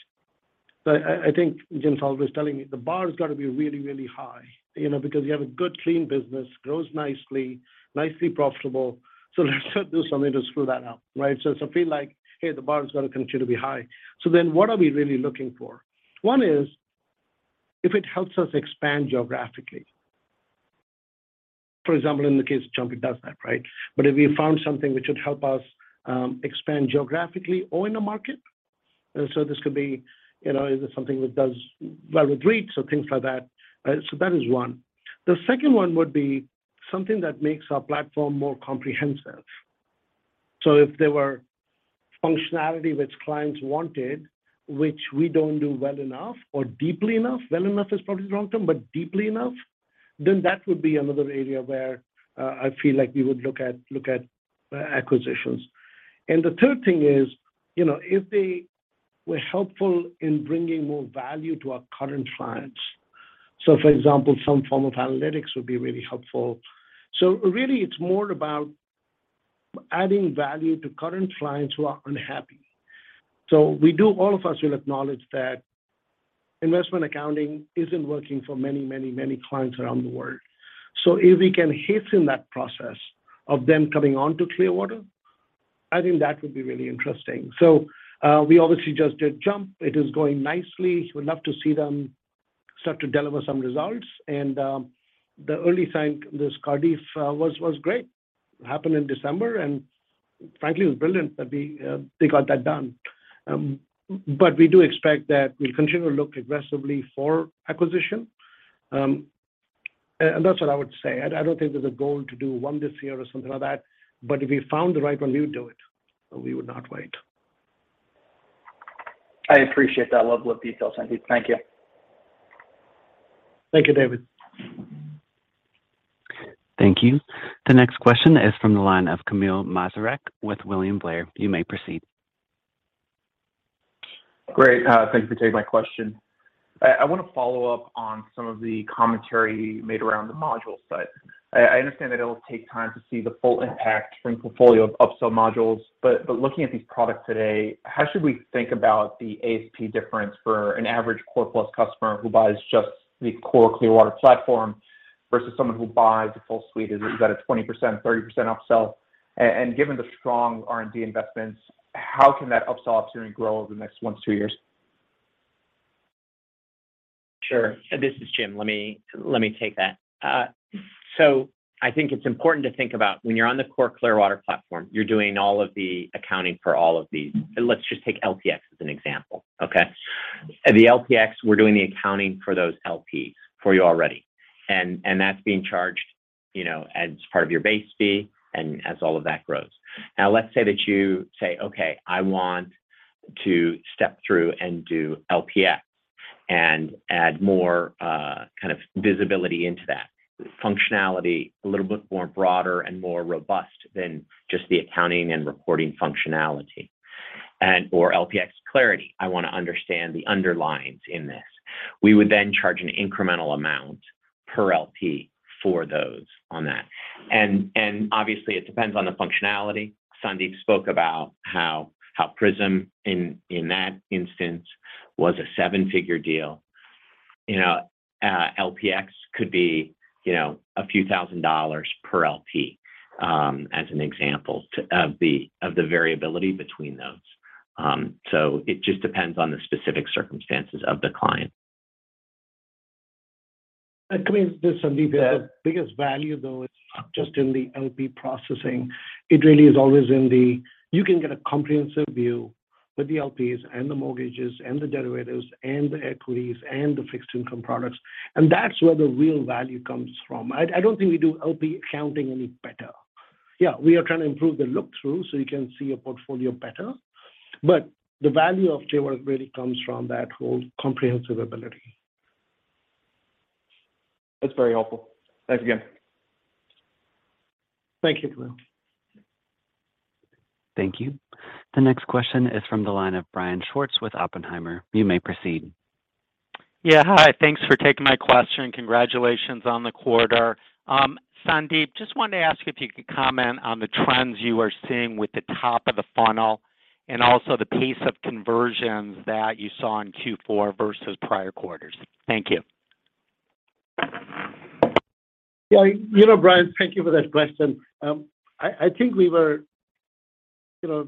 I think Jim's always telling me the bar has got to be really, really high. You know, because you have a good clean business, grows nicely profitable. Let's not do something to screw that up, right? Feel like, hey, the bar has got to continue to be high. What are we really looking for? One is if it helps us expand geographically. For example, in the case of JUMP, it does that, right? If we found something which would help us expand geographically or in a market. This could be, you know, either something that does well with REITs or things like that. That is one. The second one would be something that makes our platform more comprehensive. If there were functionality which clients wanted, which we don't do well enough or deeply enough, well enough is probably the wrong term, but deeply enough, then that would be another area where I feel like we would look at acquisitions. The third thing is, you know, if they were helpful in bringing more value to our current clients, for example, some form of analytics would be really helpful. Really it's more about adding value to current clients who are unhappy. All of us will acknowledge that investment accounting isn't working for many clients around the world. If we can hasten that process of them coming on to Clearwater, I think that would be really interesting. We obviously just did JUMP. It is going nicely. We'd love to see them start to deliver some results. The early sign, this Cardif, was great. Happened in December, and frankly it was brilliant that we, they got that done. We do expect that we'll continue to look aggressively for acquisition. That's what I would say. I don't think there's a goal to do one this year or something like that. If we found the right one, we would do it. We would not wait. I appreciate that level of detail, Sandeep. Thank you. Thank you, David. Thank you. The next question is from the line of [Matthew Barrett] with William Blair. You may proceed. Great. thanks for taking my question. I wanna follow up on some of the commentary made around the module side. I understand that it'll take time to see the full impact from portfolio upsell modules, but looking at these products today, how should we think about the ASP difference for an average core plus customer who buys just the core Clearwater platform versus someone who buys a full suite? Is that a 20%, 30% upsell? Given the strong R&D investments, how can that upsell opportunity grow over the next one-two years? Sure. This is Jim. Let me take that. I think it's important to think about when you're on the core Clearwater platform, you're doing all of the accounting for all of these. Let's just take LPx as an example, okay? The LPx, we're doing the accounting for those LPs for you already, and that's being charged, you know, as part of your base fee and as all of that grows. Let's say that you say, "Okay, I want to step through and do LPx and add more kind of visibility into that functionality, a little bit more broader and more robust than just the accounting and reporting functionality. Or LPx Clarity. I wanna understand the underlyings in this." We would charge an incremental amount per LP for those on that. Obviously it depends on the functionality. Sandeep spoke about how Prism in that instance was a seven-figure deal. You know, LPx could be, you know, a few thousand dollars per LP, as an example of the variability between those. It just depends on the specific circumstances of the client. this is Sandeep here. Yes. The biggest value, though, is not just in the LP processing. It really is always in the. You can get a comprehensive view with the LPs and the mortgages and the derivatives and the equities and the fixed income products. That's where the real value comes from. I don't think we do LP accounting any better. Yeah, we are trying to improve the look-through so you can see your portfolio better. The value of Clearwater really comes from that whole comprehensive ability. That's very helpful. Thanks again. Thank you, [Matthew]. Thank you. The next question is from the line of Brian Schwartz with Oppenheimer. You may proceed. Yeah. Hi. Thanks for taking my question. Congratulations on the quarter. Sandeep, just wanted to ask if you could comment on the trends you are seeing with the top of the funnel and also the pace of conversions that you saw in Q4 versus prior quarters. Thank you. You know, Brian, thank you for that question. I think we were, you know.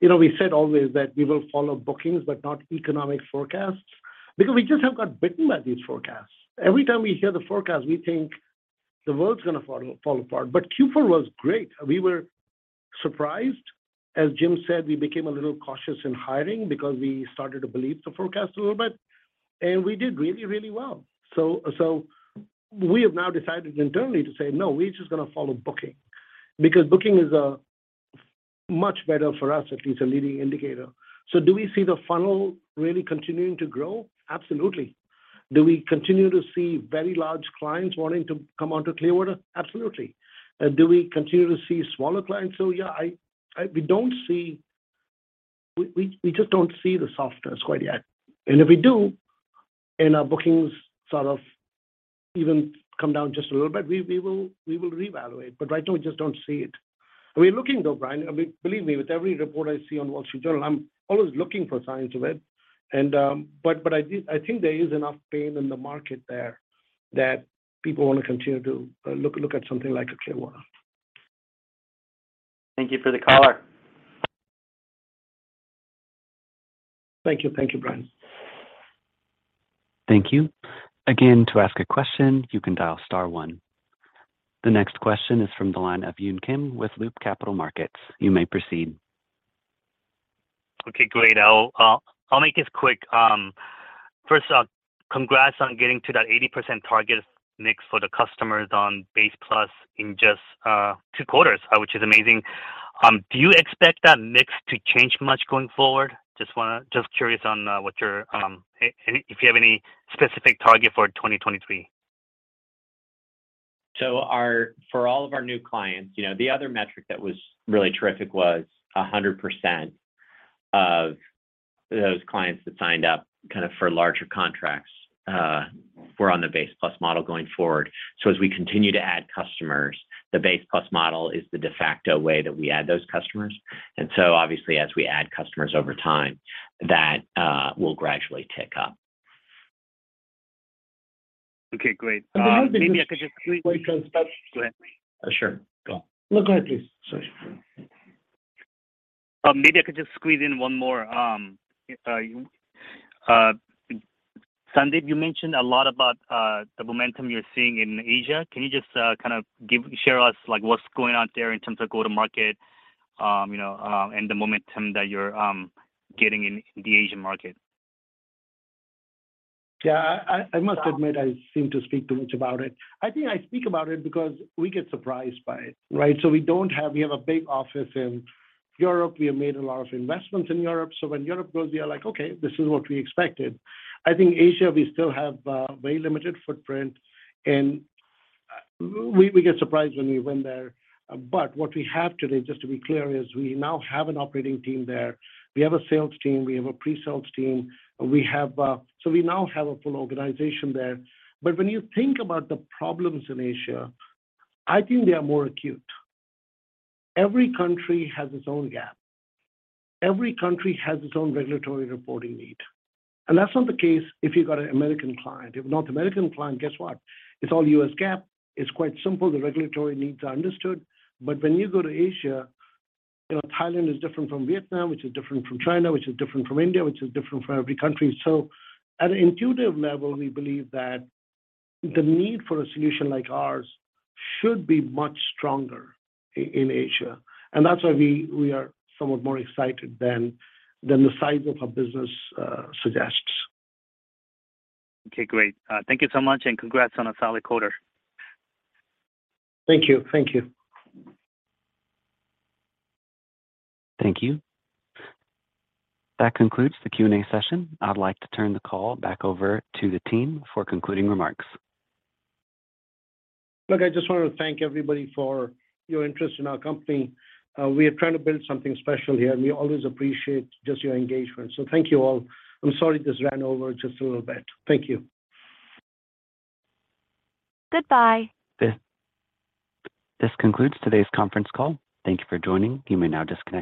We said always that we will follow bookings but not economic forecasts because we just have got bitten by these forecasts. Every time we hear the forecast, we think the world's gonna fall apart. Q4 was great. We were surprised. As Jim Cox said, we became a little cautious in hiring because we started to believe the forecast a little bit. We did really well. We have now decided internally to say, "No, we're just gonna follow booking," because booking is much better for us. At least a leading indicator. Do we see the funnel really continuing to grow? Absolutely. Do we continue to see very large clients wanting to come onto Clearwater Analytics? Absolutely. Do we continue to see smaller clients? Yeah, I, we just don't see the softness quite yet. If we do, and our bookings sort of even come down just a little bit, we will reevaluate. Right now we just don't see it. We're looking, though, Brian. I mean, believe me, with every report I see on Wall Street Journal, I'm always looking for signs of it. I do think there is enough pain in the market there that people wanna continue to look at something like a Clearwater. Thank you for the color. Thank you. Thank you, Brian. Thank you. Again, to ask a question, you can dial star one. The next question is from the line of Yun Kim with Loop Capital Markets. You may proceed. Okay, great. I'll make this quick. First off, congrats on getting to that 80% target mix for the customers on Base Plus in just two quarters, which is amazing. Do you expect that mix to change much going forward? Just curious on what your and if you have any specific target for 2023. For all of our new clients, you know, the other metric that was really terrific was 100% of those clients that signed up kinda for larger contracts were on the Base Plus model going forward. As we continue to add customers, the Base Plus model is the de facto way that we add those customers. Obviously, as we add customers over time, that will gradually tick up. Okay, great. Maybe I could just. Sure. Go on. No, go ahead please. Sorry. Maybe I could just squeeze in one more, Sandeep, you mentioned a lot about the momentum you're seeing in Asia. Can you just kind of share with us, like, what's going on there in terms of go-to-market, you know, and the momentum that you're getting in the Asian market? Yeah. I must admit I seem to speak too much about it. I think I speak about it because we get surprised by it, right? We have a big office in Europe. We have made a lot of investments in Europe. When Europe grows, we are like, "Okay, this is what we expected." I think Asia, we still have a very limited footprint, and we get surprised when we win there. What we have today, just to be clear, is we now have an operating team there. We have a sales team, we have a pre-sales team, and we have. We now have a full organization there. When you think about the problems in Asia, I think they are more acute. Every country has its own GAAP. Every country has its own regulatory reporting need, and that's not the case if you've got an American client. If a North American client, guess what? It's all U.S. GAAP. It's quite simple. The regulatory needs are understood. When you go to Asia, you know, Thailand is different from Vietnam, which is different from China, which is different from India, which is different from every country. At an intuitive level, we believe that the need for a solution like ours should be much stronger in Asia. That's why we are somewhat more excited than the size of our business suggests. Okay, great. Thank you so much, and congrats on a solid quarter. Thank you. Thank you. Thank you. That concludes the Q&A session. I'd like to turn the call back over to the team for concluding remarks. Look, I just want to thank everybody for your interest in our company. We are trying to build something special here, and we always appreciate just your engagement. Thank you all. I'm sorry this ran over just a little bit. Thank you. Goodbye. This concludes today's conference call. Thank you for joining. You may now disconnect.